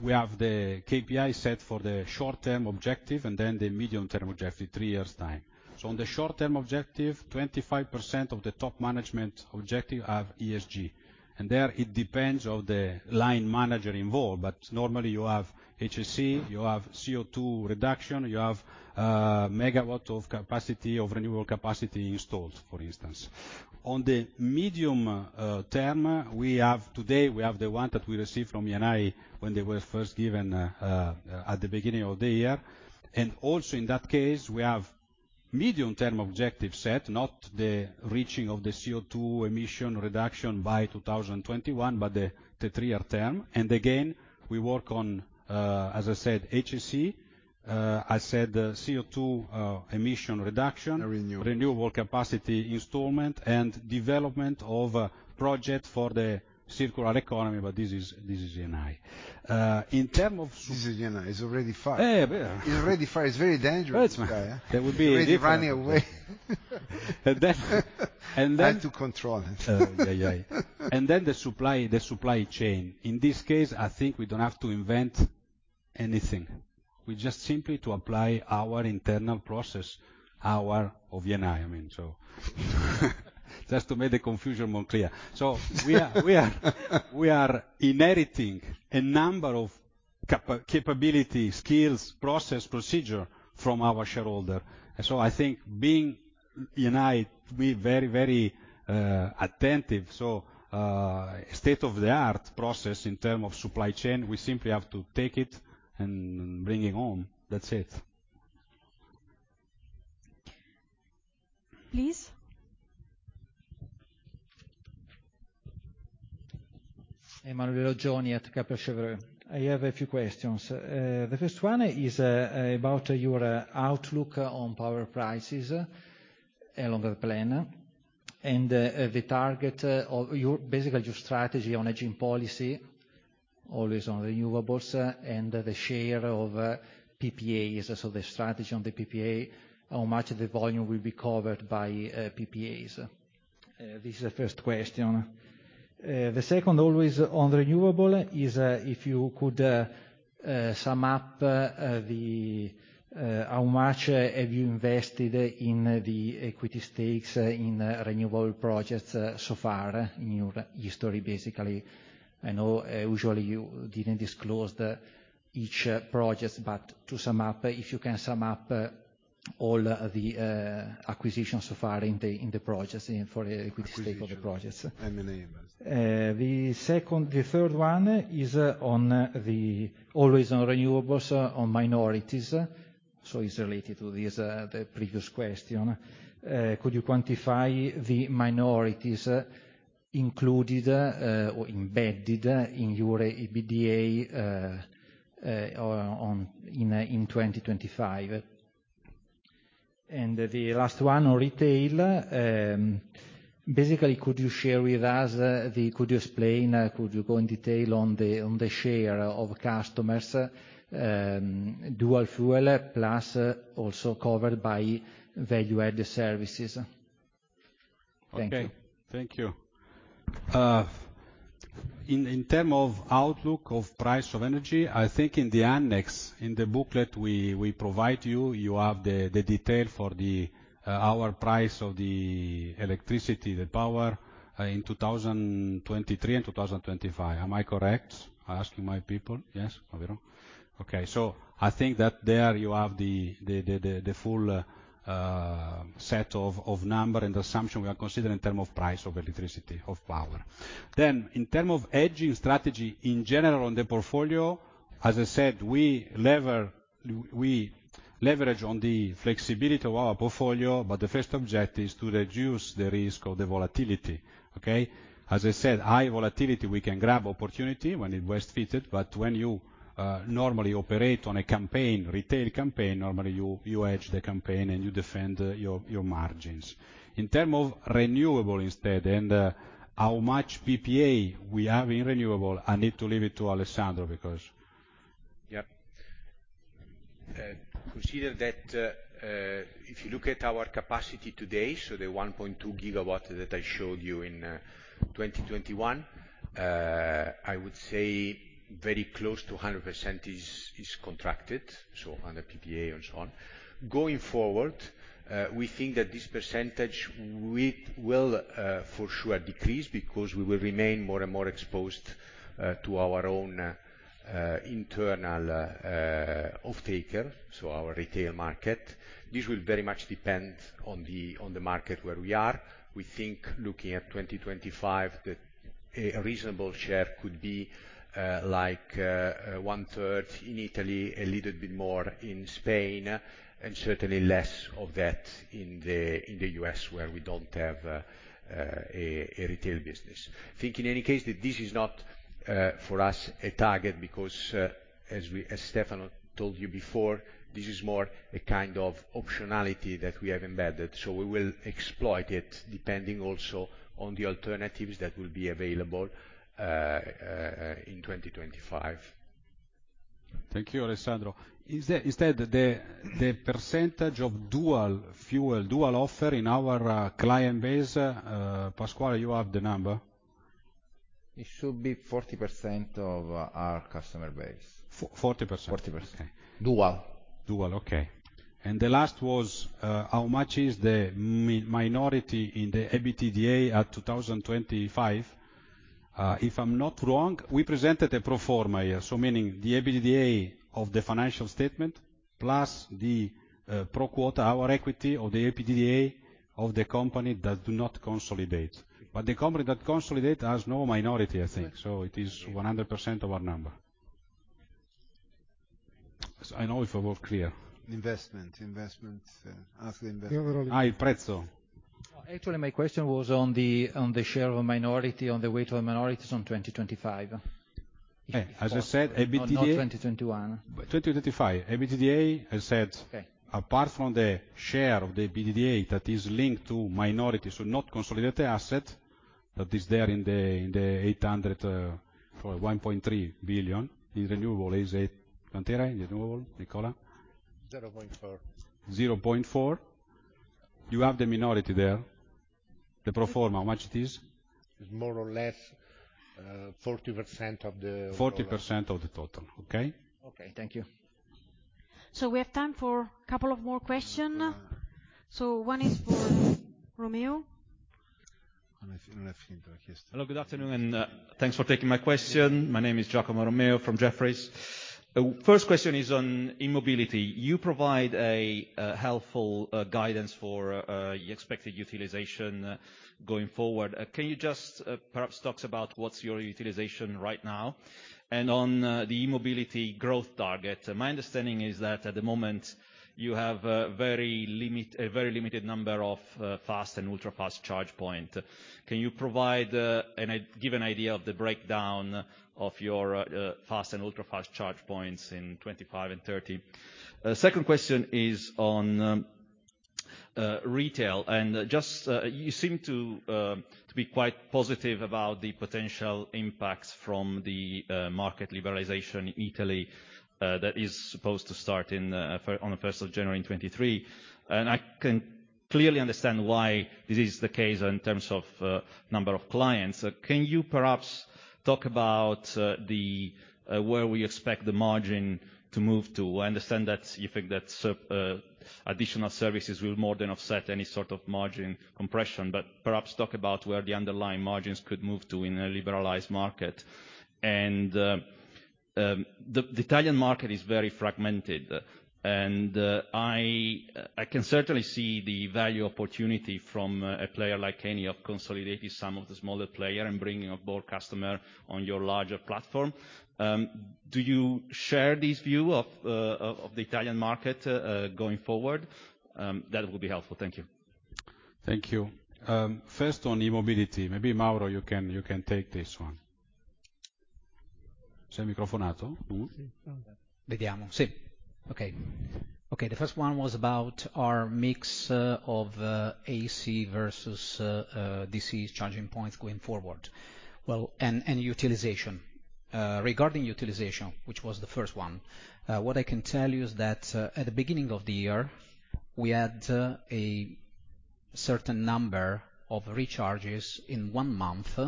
we have the KPI set for the short-term objective and then the medium-term objective, three years' time. On the short-term objective, 25% of the top management objective are ESG, and there it depends on the line manager involved. But normally, you have HSE, you have CO2 reduction, you have megawatt of capacity, of renewable capacity installed, for instance. On the medium term, we have. Today, we have the one that we received from Eni when they were first given at the beginning of the year. Also in that case, we have medium-term objectives set, not the reaching of the CO2 emission reduction by 2021, but the three-year term. Again, we work on, as I said, HSE. I said, CO2 emission reduction, renewable capacity installation, and development of project for the circular economy, but this is Eni. In term of, this is Eni. It's already far. Yeah. It's already far. It's very dangerous, this guy. Already running away. Then, I have to control him. Yeah, yeah. Then the supply chain. In this case, I think we don't have to invent anything. We just simply have to apply our internal process of Eni, I mean. Just to make the confusion more clear. We are inheriting a number of capability, skills, process, procedure from our shareholder. I think being Eni, we very attentive. State-of-the-art process in terms of supply chain, we simply have to take it and bring it home. That's it. Please. Emanuele Oggioni at Kepler Cheuvreux. I have a few questions. The first one is about your outlook on power prices along the plan and the target of your basically your strategy on hedging policy, always on renewables, and the share of PPAs, so the strategy on the PPA, how much of the volume will be covered by PPAs. This is the first question. The second, always on renewable, is if you could sum up how much have you invested in the equity stakes in renewable projects so far in your history, basically. I know usually you didn't disclose the each projects, but to sum up, if you can sum up all the acquisitions so far in the projects and for equity stake of the projects. Acquisitions and the names. The third one is on renewables, on minorities, so it's related to this, the previous question. Could you quantify the minorities included or embedded in your EBITDA in 2025? The last one on retail, basically, could you explain, could you go in detail on the share of customers dual fuel plus also covered by value-added services? Thank you. Okay. Thank you. In terms of outlook of price of energy, I think in the annex, in the booklet we provide you have the detail for our price of the electricity, the power in 2023 and 2025. Am I correct? I ask my people. Yes. Okay. I think that there you have the full set of numbers and assumptions we are considering in terms of price of electricity, of power. In terms of hedging strategy in general on the portfolio, as I said, we leverage on the flexibility of our portfolio, but the first objective is to reduce the risk of the volatility. Okay? As I said, high volatility, we can grab opportunity when it fits, but when you normally operate on a campaign, retail campaign, normally you hedge the campaign, and you defend your margins. In terms of renewables instead and how much PPA we have in renewables, I need to leave it to Alessandro because yeah. Consider that if you look at our capacity today, so the 1.2 GW that I showed you in 2021, I would say very close to 100% is contracted, so under PPA and so on. Going forward, we think that this percentage will for sure decrease because we will remain more and more exposed to our own internal offtaker, so our retail market. This will very much depend on the market where we are. We think, looking at 2025, that a reasonable share could be like one-third in Italy, a little bit more in Spain, and certainly less of that in the U.S., where we don't have a retail business. We think in any case that this is not for us a target because as Stefano told you before, this is more a kind of optionality that we have embedded. We will exploit it depending also on the alternatives that will be available in 2025. Thank you, Alessandro. Is instead the percentage of dual fuel dual offer in our client base, Pasquale, you have the number? It should be 40% of our customer base. 40%? 40%. Dual. The last was, how much is the minority in the EBITDA at 2025? If I'm not wrong, we presented a pro forma here, so meaning the EBITDA of the financial statement, plus the pro rata our equity or the EBITDA of the company that do not consolidate. The company that consolidate has no minority, I think. It is 100% of our number. I don't know if I was clear. Investment, ask the investment. il prezzo. Actually, my question was on the share of minority, on the weight of minorities on 2025. As I said, EBITDA. Not 21. 2025. EBITDA has said. Okay. Apart from the share of the EBITDA that is linked to minorities, so not consolidated asset, that is there in the 800 for 1.3 billion. In renewable is 800... PANTERA in renewable? Nicola? 0.4. 0.4. You have the minority there. The pro forma, how much it is? It's more or less 40% of the- 40% of the total. Okay. Okay, thank you. We have time for a couple of more question. One is for Romeo. Hello, good afternoon, and thanks for taking my question. My name is Giacomo Romeo from Jefferies. First question is on e-mobility. You provide a helpful guidance for expected utilization going forward. Can you just perhaps talk about what's your utilization right now? On the e-mobility growth target, my understanding is that at the moment you have a very limited number of fast and ultra-fast charge point. Can you provide give an idea of the breakdown of your fast and ultra-fast charge points in 2025 and 2030? Second question is on retail, and just you seem to be quite positive about the potential impacts from the market liberalization in Italy that is supposed to start in on the first of January in 2023. I can clearly understand why this is the case in terms of number of clients. Can you perhaps talk about where we expect the margin to move to? I understand that you think that additional services will more than offset any sort of margin compression. But perhaps talk about where the underlying margins could move to in a liberalized market. The Italian market is very fragmented, and I can certainly see the value opportunity from a player like Eni of consolidating some of the smaller player and bringing on board customer on your larger platform. Do you share this view of the Italian market going forward? That would be helpful. Thank you. Thank you. First on e-mobility, maybe Mauro, you can take this one. Okay, the first one was about our mix of AC versus DC charging points going forward. Well, and utilization. Regarding utilization, which was the first one, what I can tell you is that at the beginning of the year, we had a certain number of recharges in one month,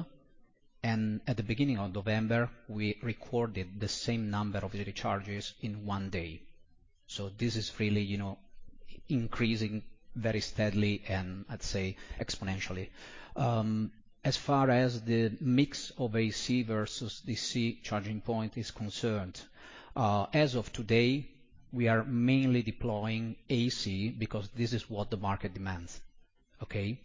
and at the beginning of November, we recorded the same number of recharges in one day. This is really, you know, increasing very steadily and I'd say exponentially. As far as the mix of AC versus DC charging point is concerned, as of today, we are mainly deploying AC, because this is what the market demands. Okay?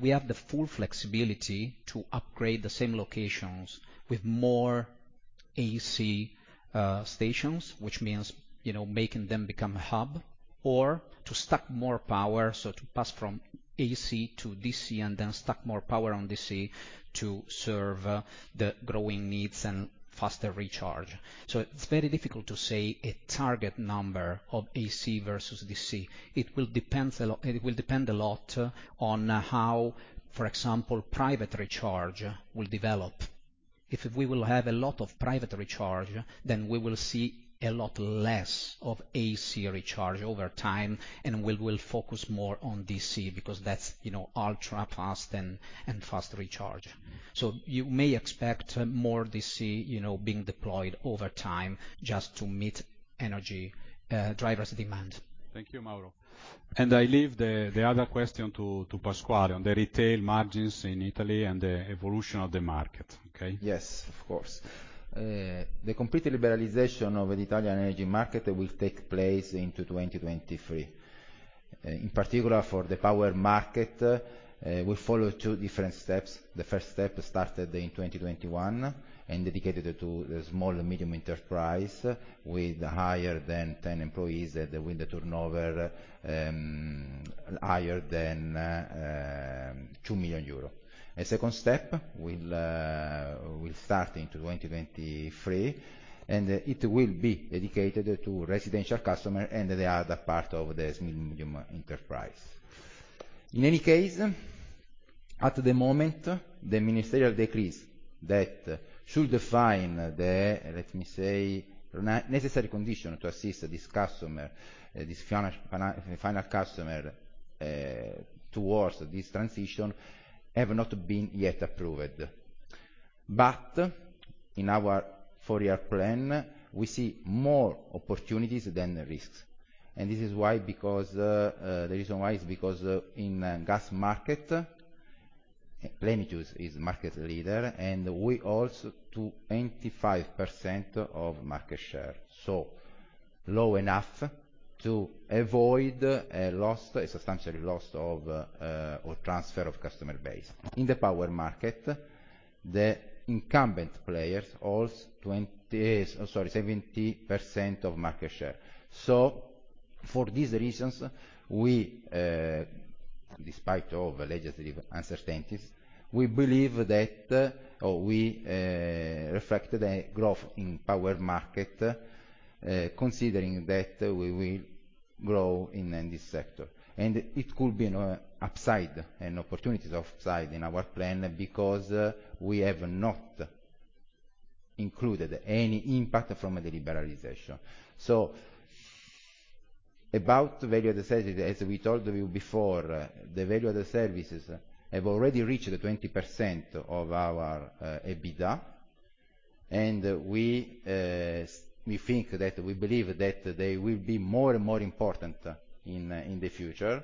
We have the full flexibility to upgrade the same locations with more AC stations, which means, you know, making them become a hub, or to stack more power, so to pass from AC to DC and then stack more power on DC to serve the growing needs and faster recharge. It's very difficult to say a target number of AC versus DC. It will depend a lot on how, for example, private recharge will develop. If we will have a lot of private recharge, then we will see a lot less of AC recharge over time, and we will focus more on DC because that's, you know, ultra-fast and fast recharge. You may expect more DC, you know, being deployed over time just to meet energy drivers demand. Thank you, Mauro. I leave the other question to Pasquale on the retail margins in Italy and the evolution of the market. Okay? Yes, of course. The complete liberalization of the Italian energy market will take place in 2023. In particular, for the power market, we follow two different steps. The first step started in 2021 and dedicated to the small and medium enterprise with higher than 10 employees with a turnover higher than 2 million euro. A second step will start in 2023, and it will be dedicated to residential customer and the other part of the small and medium enterprise. In any case, at the moment, the ministerial decrees that should define the, let me say, necessary condition to assist this customer, this final customer, towards this transition, have not yet been approved. In our four-year plan, we see more opportunities than risks, and this is why, in the gas market, Plenitude is market leader, and we also 25% of market share. So low enough to avoid a substantial loss or transfer of customer base. In the power market, the incumbent players holds 70% of market share. So for these reasons, despite of legislative uncertainties, we believe that we reflect the growth in power market, considering that we will grow in this sector. It could be an upside, an opportunity of upside in our plan, because we have not included any impact from the liberalization. About value added services, as we told you before, the value added services have already reached 20% of our EBITDA, and we believe that they will be more and more important in the future.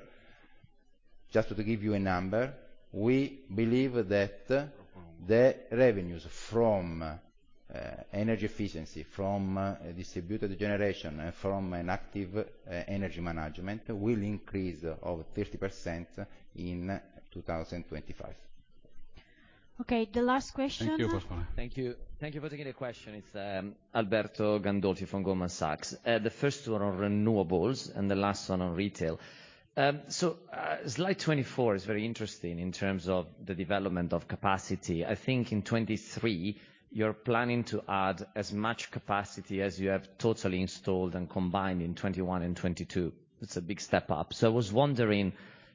Just to give you a number, we believe that the revenues from energy efficiency, from distributed generation, from an active energy management, will increase over 30% in 2025. Okay. The last question. Thank you. Thank you. Thank you for taking the question. It's Alberto Gandolfi from Goldman Sachs. The first one on renewables and the last one on retail. Slide 24 is very interesting in terms of the development of capacity. I think in 2023, you're planning to add as much capacity as you have totally installed and combined in 2021 and 2022. It's a big step up. I was wondering,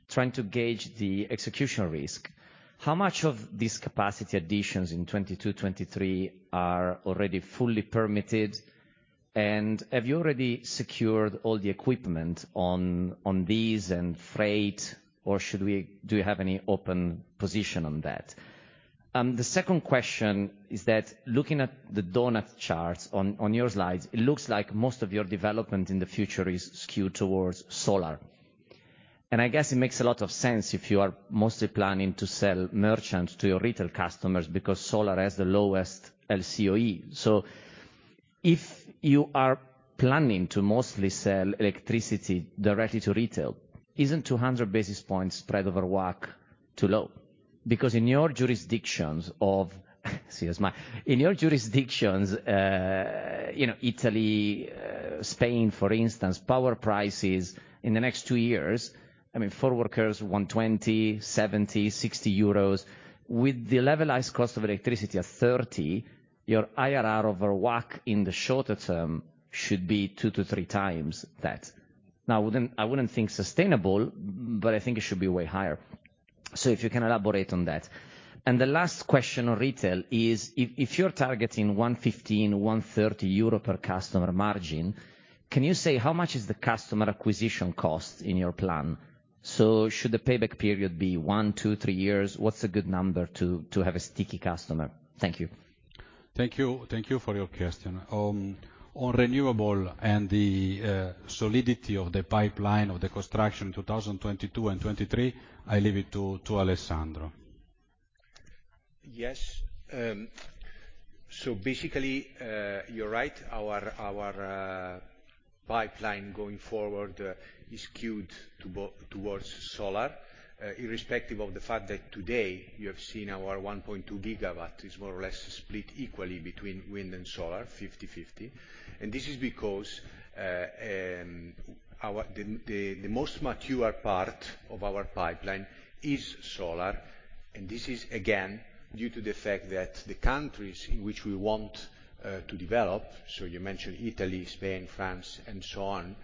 trying to gauge the execution risk, how much of these capacity additions in 2022, 2023 are already fully permitted? And have you already secured all the equipment on these and freight, or do you have any open position on that? The second question is that looking at the donut charts on your slides, it looks like most of your development in the future is skewed towards solar. I guess it makes a lot of sense if you are mostly planning to sell merchant to your retail customers because solar has the lowest LCOE. If you are planning to mostly sell electricity directly to retail, isn't 200 basis points spread over WACC too low? Because in your jurisdictions, you know, Italy, Spain, for instance, power prices in the next two years, I mean, forward curves 120, 70, 60 euros. With the levelized cost of electricity at 30, your IRR over WACC in the shorter term should be two to three times that. I wouldn't think sustainable, but I think it should be way higher. If you can elaborate on that. The last question on retail is if you're targeting 115 euro, 130 euro per customer margin, can you say how much is the customer acquisition cost in your plan? Should the payback period be one, two three years? What's a good number to have a sticky customer? Thank you. Thank you. Thank you for your question. On renewables and the solidity of the pipeline of the construction in 2022 and 2023, I leave it to Alessandro. Yes. So basically, you're right. Our pipeline going forward is skewed towards solar, irrespective of the fact that today you have seen our 1.2 GW is more or less split equally between wind and solar, 50/50. This is because the most mature part of our pipeline is solar, and this is again due to the fact that the countries in which we want to develop, so you mentioned Italy, Spain, France, and so on,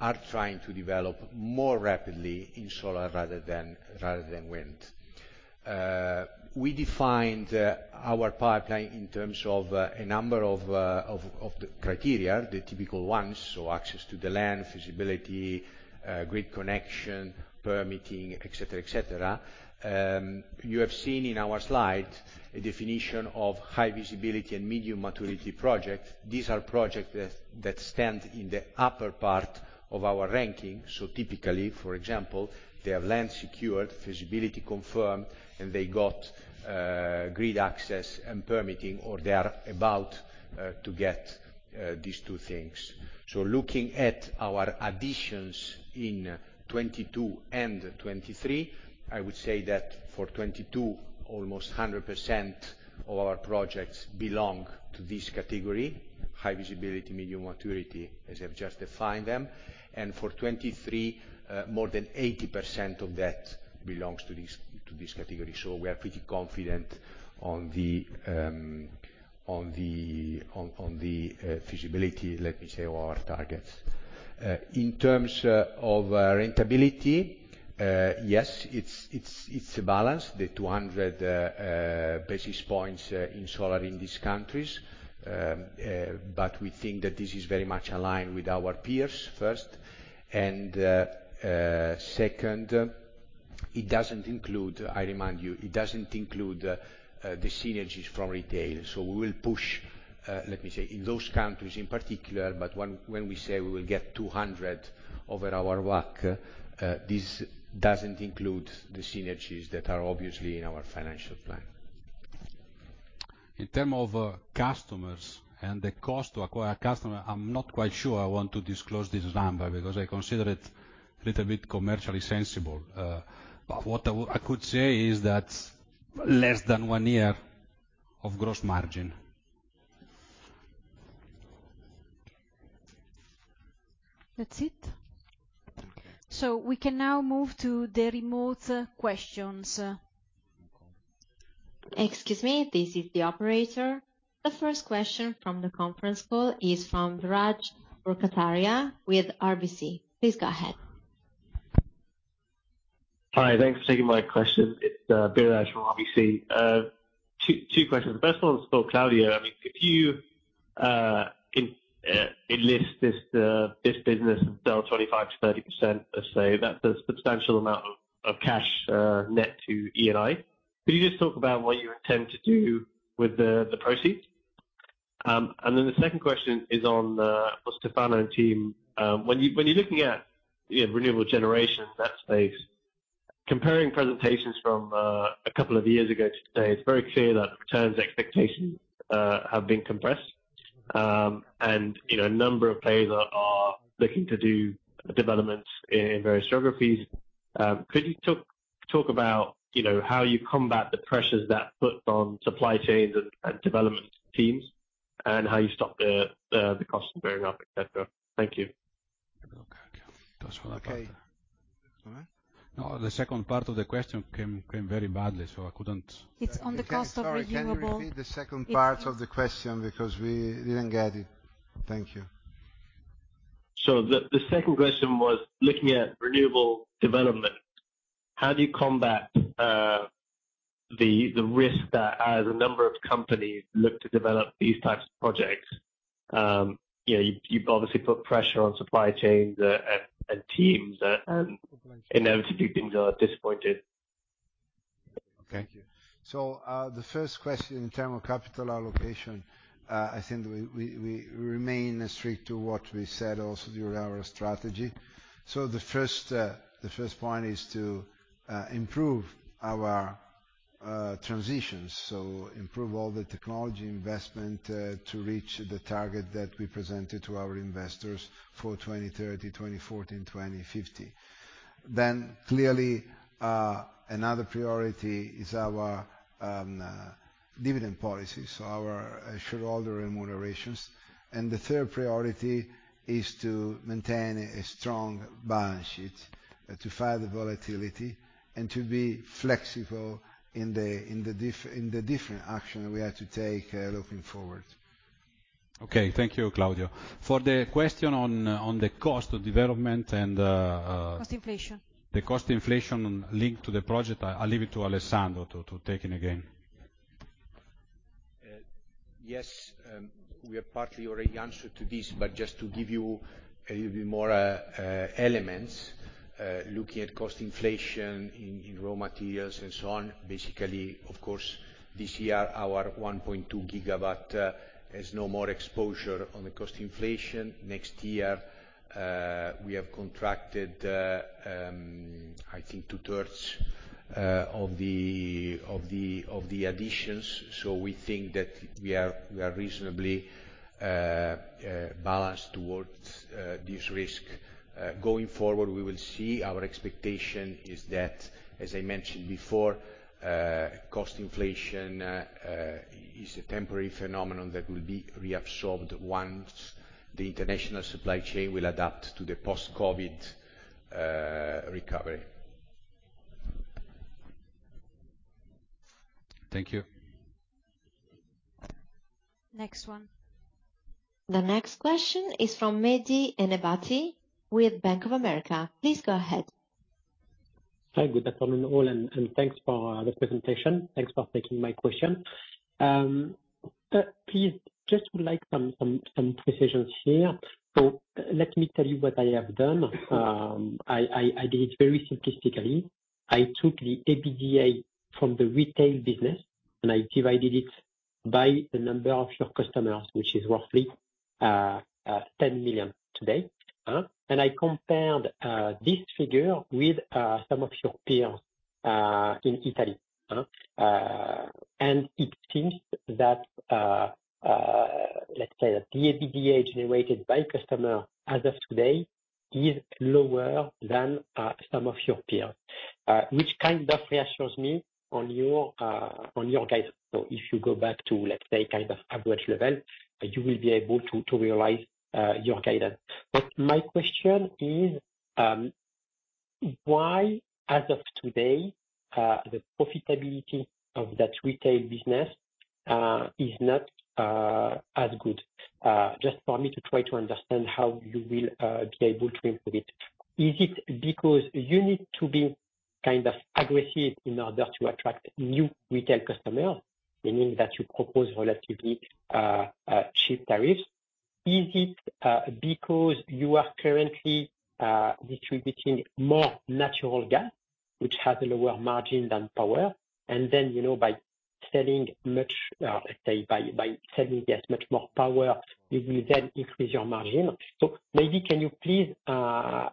are trying to develop more rapidly in solar rather than wind. We defined our pipeline in terms of a number of the criteria, the typical ones, so access to the land, feasibility, grid connection, permitting, et cetera, et cetera. You have seen in our slide a definition of high visibility and medium maturity projects. These are projects that stand in the upper part of our ranking. Typically, for example, they have land secured, feasibility confirmed, and they got grid access and permitting, or they are about to get these two things. Looking at our additions in 2022 and 2023, I would say that for 2022, almost 100% of our projects belong to this category, high visibility, medium maturity, as I've just defined them. For 2023, more than 80% of that belongs to this category. We are pretty confident on the feasibility, let me say, of our targets. In terms of rentability, yes, it's a balance, the 200 basis points in solar in these countries. We think that this is very much aligned with our peers, first. Second, it doesn't include. I remind you, it doesn't include the synergies from retail. We will push, let me say, in those countries in particular, but when we say we will get 200 over our WACC, this doesn't include the synergies that are obviously in our financial plan. In terms of customers and the cost to acquire a customer, I'm not quite sure I want to disclose this number because I consider it a little bit commercially sensitive. What I could say is that less than one year of gross margin. That's it. We can now move to the remote questions. Excuse me, this is the operator. The first question from the conference call is from Biraj Borkhataria with RBC. Please go ahead. Hi, thanks for taking my question. It's Biraj from RBC. Two questions. First one is for Claudio. I mean, if you list this business and sell 25%-30%, let's say, that's a substantial amount of cash net to Eni. Can you just talk about what you intend to do with the proceeds? And then the second question is for Stefano and team. When you're looking at, you know, renewable generation in that space, comparing presentations from a couple of years ago to today, it's very clear that returns expectations have been compressed. And, you know, a number of players are looking to do developments in various geographies. Could you talk about, you know, how you combat the pressures that puts on supply chains and development teams, and how you stop the cost from going up, et cetera? Thank you. That's all I got. Okay. No, the second part of the question came very badly, so I couldn't. It's on the cost of renewable Sorry, can you repeat the second part of the question because we didn't get it. Thank you. The second question was looking at renewable development, how do you combat the risk that as a number of companies look to develop these types of projects, you know, you obviously put pressure on supply chains and teams and inevitably things are disappointed. Thank you. The first question in terms of capital allocation, I think we remain strict to what we said also during our strategy. The first point is to improve our transitions. Improve all the technology investment to reach the target that we presented to our investors for 2030, 2040 and 2050. Clearly, another priority is our dividend policy, so our shareholder remunerations. The third priority is to maintain a strong balance sheet to fight the volatility and to be flexible in the different action we have to take, looking forward. Okay, thank you, Claudio. For the question on the cost of development and, Cost inflation the cost inflation linked to the project. I'll leave it to Alessandro to take it again. Yes, we have partly already answered to this, but just to give you a little bit more elements, looking at cost inflation in raw materials and so on. Basically, of course, this year our 1.2 GW has no more exposure on the cost inflation. Next year, we have contracted, I think 2/3 of the additions. We think that we are reasonably balanced towards this risk. Going forward, we will see. Our expectation is that, as I mentioned before, cost inflation is a temporary phenomenon that will be reabsorbed once the international supply chain will adapt to the post-COVID recovery. Thank you. Next one. The next question is from Mehdi Ennebati with Bank of America. Please go ahead. Hi, good afternoon all, and thanks for the presentation. Thanks for taking my question. Please, just would like some precisions here. Let me tell you what I have done. I did it very simplistically. I took the EBITDA from the retail business, and I divided it by the number of your customers, which is roughly 10 million today? I compared this figure with some of your peers in Italy? It seems that, let's say the EBITDA generated by customer as of today is lower than some of your peers. Which kind of reassures me on your guidance. If you go back to, let's say, kind of average level, you will be able to realize your guidance. My question is, why as of today, the profitability of that retail business is not as good? Just for me to try to understand how you will be able to improve it. Is it because you need to be kind of aggressive in order to attract new retail customers, meaning that you propose relatively cheap tariffs? Is it because you are currently distributing more natural gas, which has a lower margin than power, and then, you know, by selling much more power, you will then increase your margin. Maybe can you please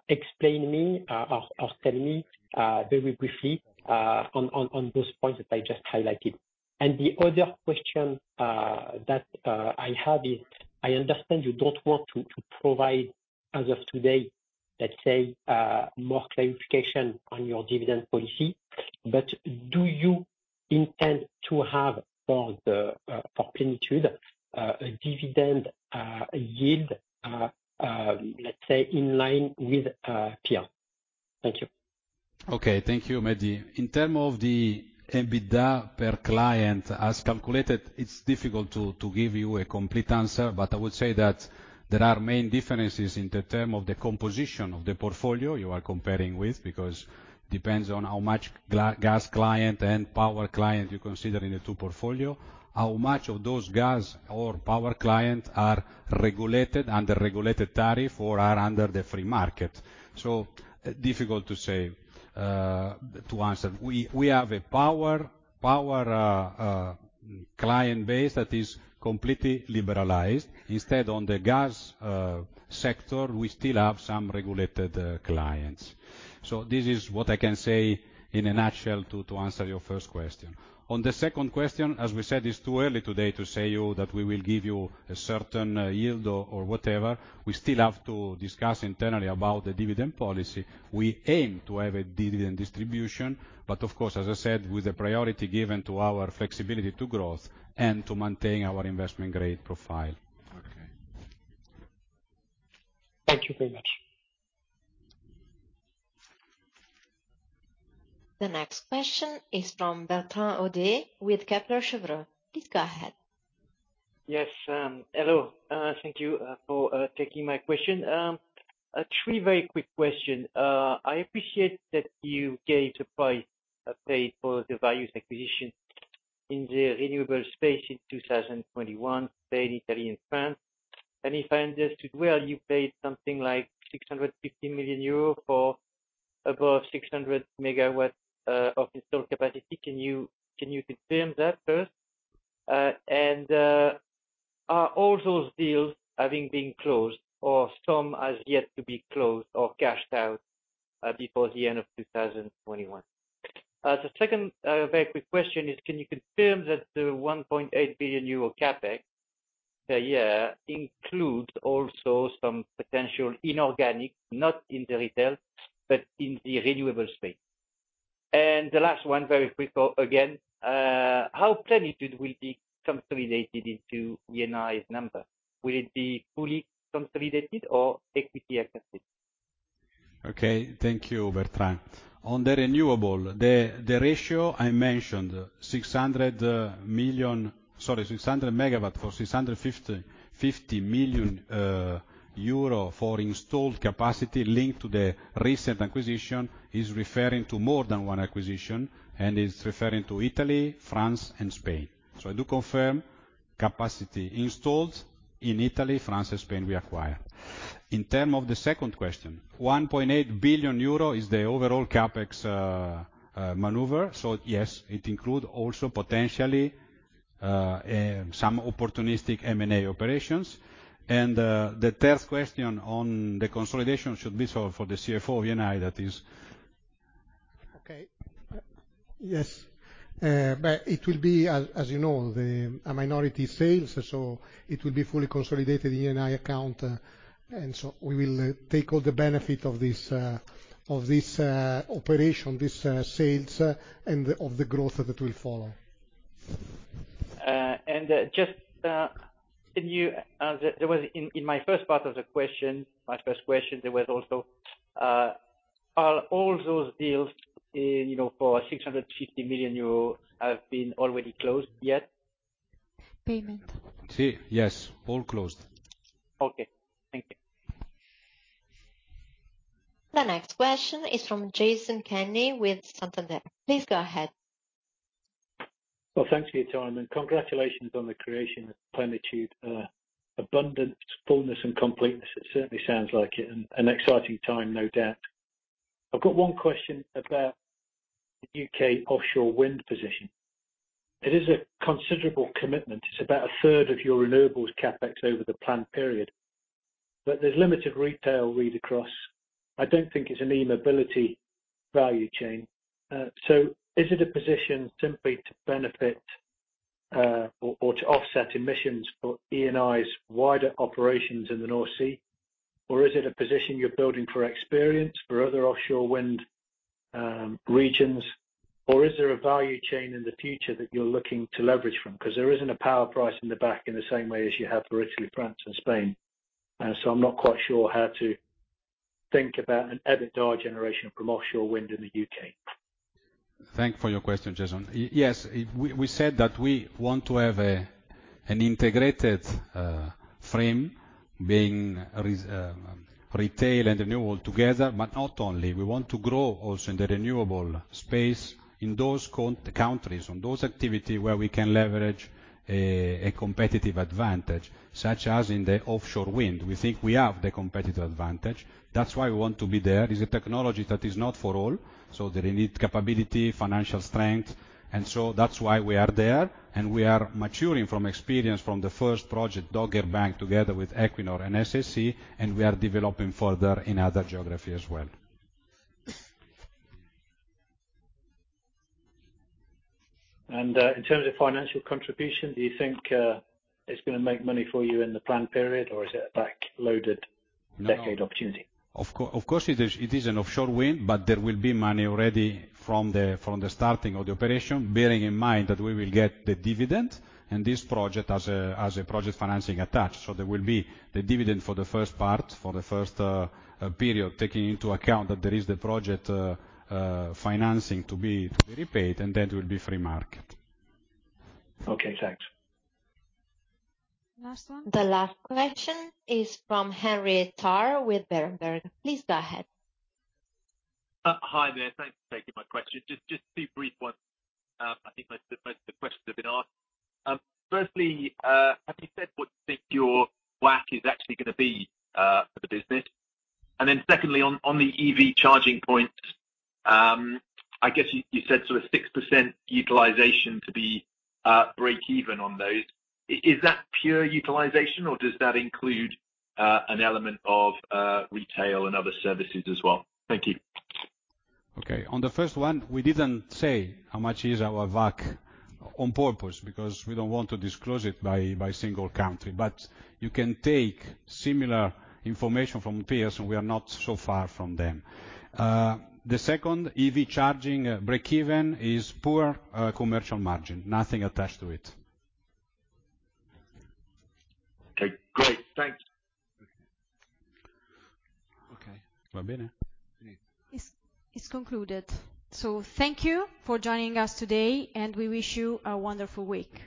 explain me, or tell me very briefly, on those points that I just highlighted. The other question that I have is, I understand you don't want to provide, as of today, let's say, more clarification on your dividend policy, but do you intend to have for Plenitude a dividend yield, let's say in line with peers? Thank you. Okay. Thank you, Mehdi. In terms of the EBITDA per client as calculated, it's difficult to give you a complete answer, but I would say that there are main differences in the terms of the composition of the portfolio you are comparing with, because it depends on how much gas client and power client you consider in the two portfolio, how much of those gas or power client are regulated, under regulated tariff or are under the free market. Difficult to say to answer. We have a power client base that is completely liberalized. Instead on the gas sector, we still have some regulated clients. This is what I can say in a nutshell to answer your first question. On the second question, as we said, it's too early today to say to you that we will give you a certain yield or whatever. We still have to discuss internally about the dividend policy. We aim to have a dividend distribution, but of course, as I said, with the priority given to our flexibility to growth and to maintain our investment grade profile. Okay. Thank you very much. The next question is from Bertrand Hodée with Kepler Cheuvreux. Please go ahead. Hello. Thank you for taking my question. Three very quick questions. I appreciate that you committed to price and pay for the various acquisitions in the renewable space in 2021, Spain, Italy, and France. If I understood well, you paid something like 650 million euro for above 600 MW of installed capacity. Can you confirm that first? Are all those deals having been closed or some have yet to be closed or cashed out before the end of 2021? The second very quick question is, can you confirm that the 1.8 billion euro CapEx per year includes also some potential inorganic, not in the retail, but in the renewable space? The last one, very quick, again, how Plenitude will be consolidated into Eni's number? Will it be fully consolidated or equity accounted? Okay. Thank you, Bertrand. On the renewable, the ratio I mentioned, 600 MW for 650 million euro for installed capacity linked to the recent acquisition is referring to more than one acquisition and is referring to Italy, France, and Spain. I do confirm capacity installed in Italy, France, and Spain we acquired. In terms of the second question, 1.8 billion euro is the overall CapEx envelope. Yes, it include also potentially some opportunistic M&A operations. The third question on the consolidation should be for the CFO of Eni, that is. Okay. Yes. It will be, as you know, a minority sale, so it will be fully consolidated in Eni account. We will take all the benefit of this operation, this sale, and of the growth that will follow. There was, in my first part of the question, there was also, are all those deals in, you know, for 650 million euro have been already closed yet? Payment. Sì. Yes, all closed. Okay. Thank you. The next question is from Jason Kenney with Santander. Please go ahead. Well, thanks for your time, and congratulations on the creation of Plenitude. Abundance, fullness, and completeness. It certainly sounds like it, and an exciting time, no doubt. I've got one question about the U.K. offshore wind position. It is a considerable commitment. It's about a third of your renewables CapEx over the planned period, but there's limited retail read across. I don't think it's an e-mobility value chain. Is it a position simply to benefit- to offset emissions for Eni's wider operations in the North Sea? Is it a position you're building for experience for other offshore wind regions? Is there a value chain in the future that you're looking to leverage from? 'Cause there isn't a power price in the back in the same way as you have for Italy, France, and Spain. So I'm not quite sure how to think about an EBITDA generation from offshore wind in the U.K. Thanks for your question, Jason. Yes, we said that we want to have an integrated framework bringing retail and renewables together, but not only. We want to grow also in the renewable space in those countries, on those activities where we can leverage a competitive advantage, such as in the offshore wind. We think we have the competitive advantage. That's why we want to be there. It's a technology that is not for all, so they need capability, financial strength, and so that's why we are there, and we are learning from the experience of the first project, Dogger Bank, together with Equinor and SSE, and we are developing further in other geographies as well. In terms of financial contribution, do you think it's gonna make money for you in the planned period, or is it a back-loaded- No. decade opportunity? Of course it is an offshore wind, but there will be money already from the starting of the operation, bearing in mind that we will get the dividend, and this project has a project financing attached. There will be the dividend for the first part, for the first period, taking into account that there is the project financing to be repaid, and then it will be free cash flow. Okay, thanks. Last one? The last question is from Henry Tarr. Please go ahead. Hi there. Thanks for taking my question. Just two brief ones. I think most of the questions have been asked. Firstly, have you said what you think your WACC is actually gonna be for the business? Secondly, on the EV charging points, I guess you said sort of 6% utilization to be breakeven on those. Is that pure utilization or does that include an element of retail and other services as well? Thank you. Okay. On the first one, we didn't say how much is our WACC on purpose, because we don't want to disclose it by single country. You can take similar information from peers, and we are not so far from them. The second EV charging breakeven is poor commercial margin. Nothing attached to it. Okay, great. Thanks. Okay. It's concluded. Thank you for joining us today, and we wish you a wonderful week.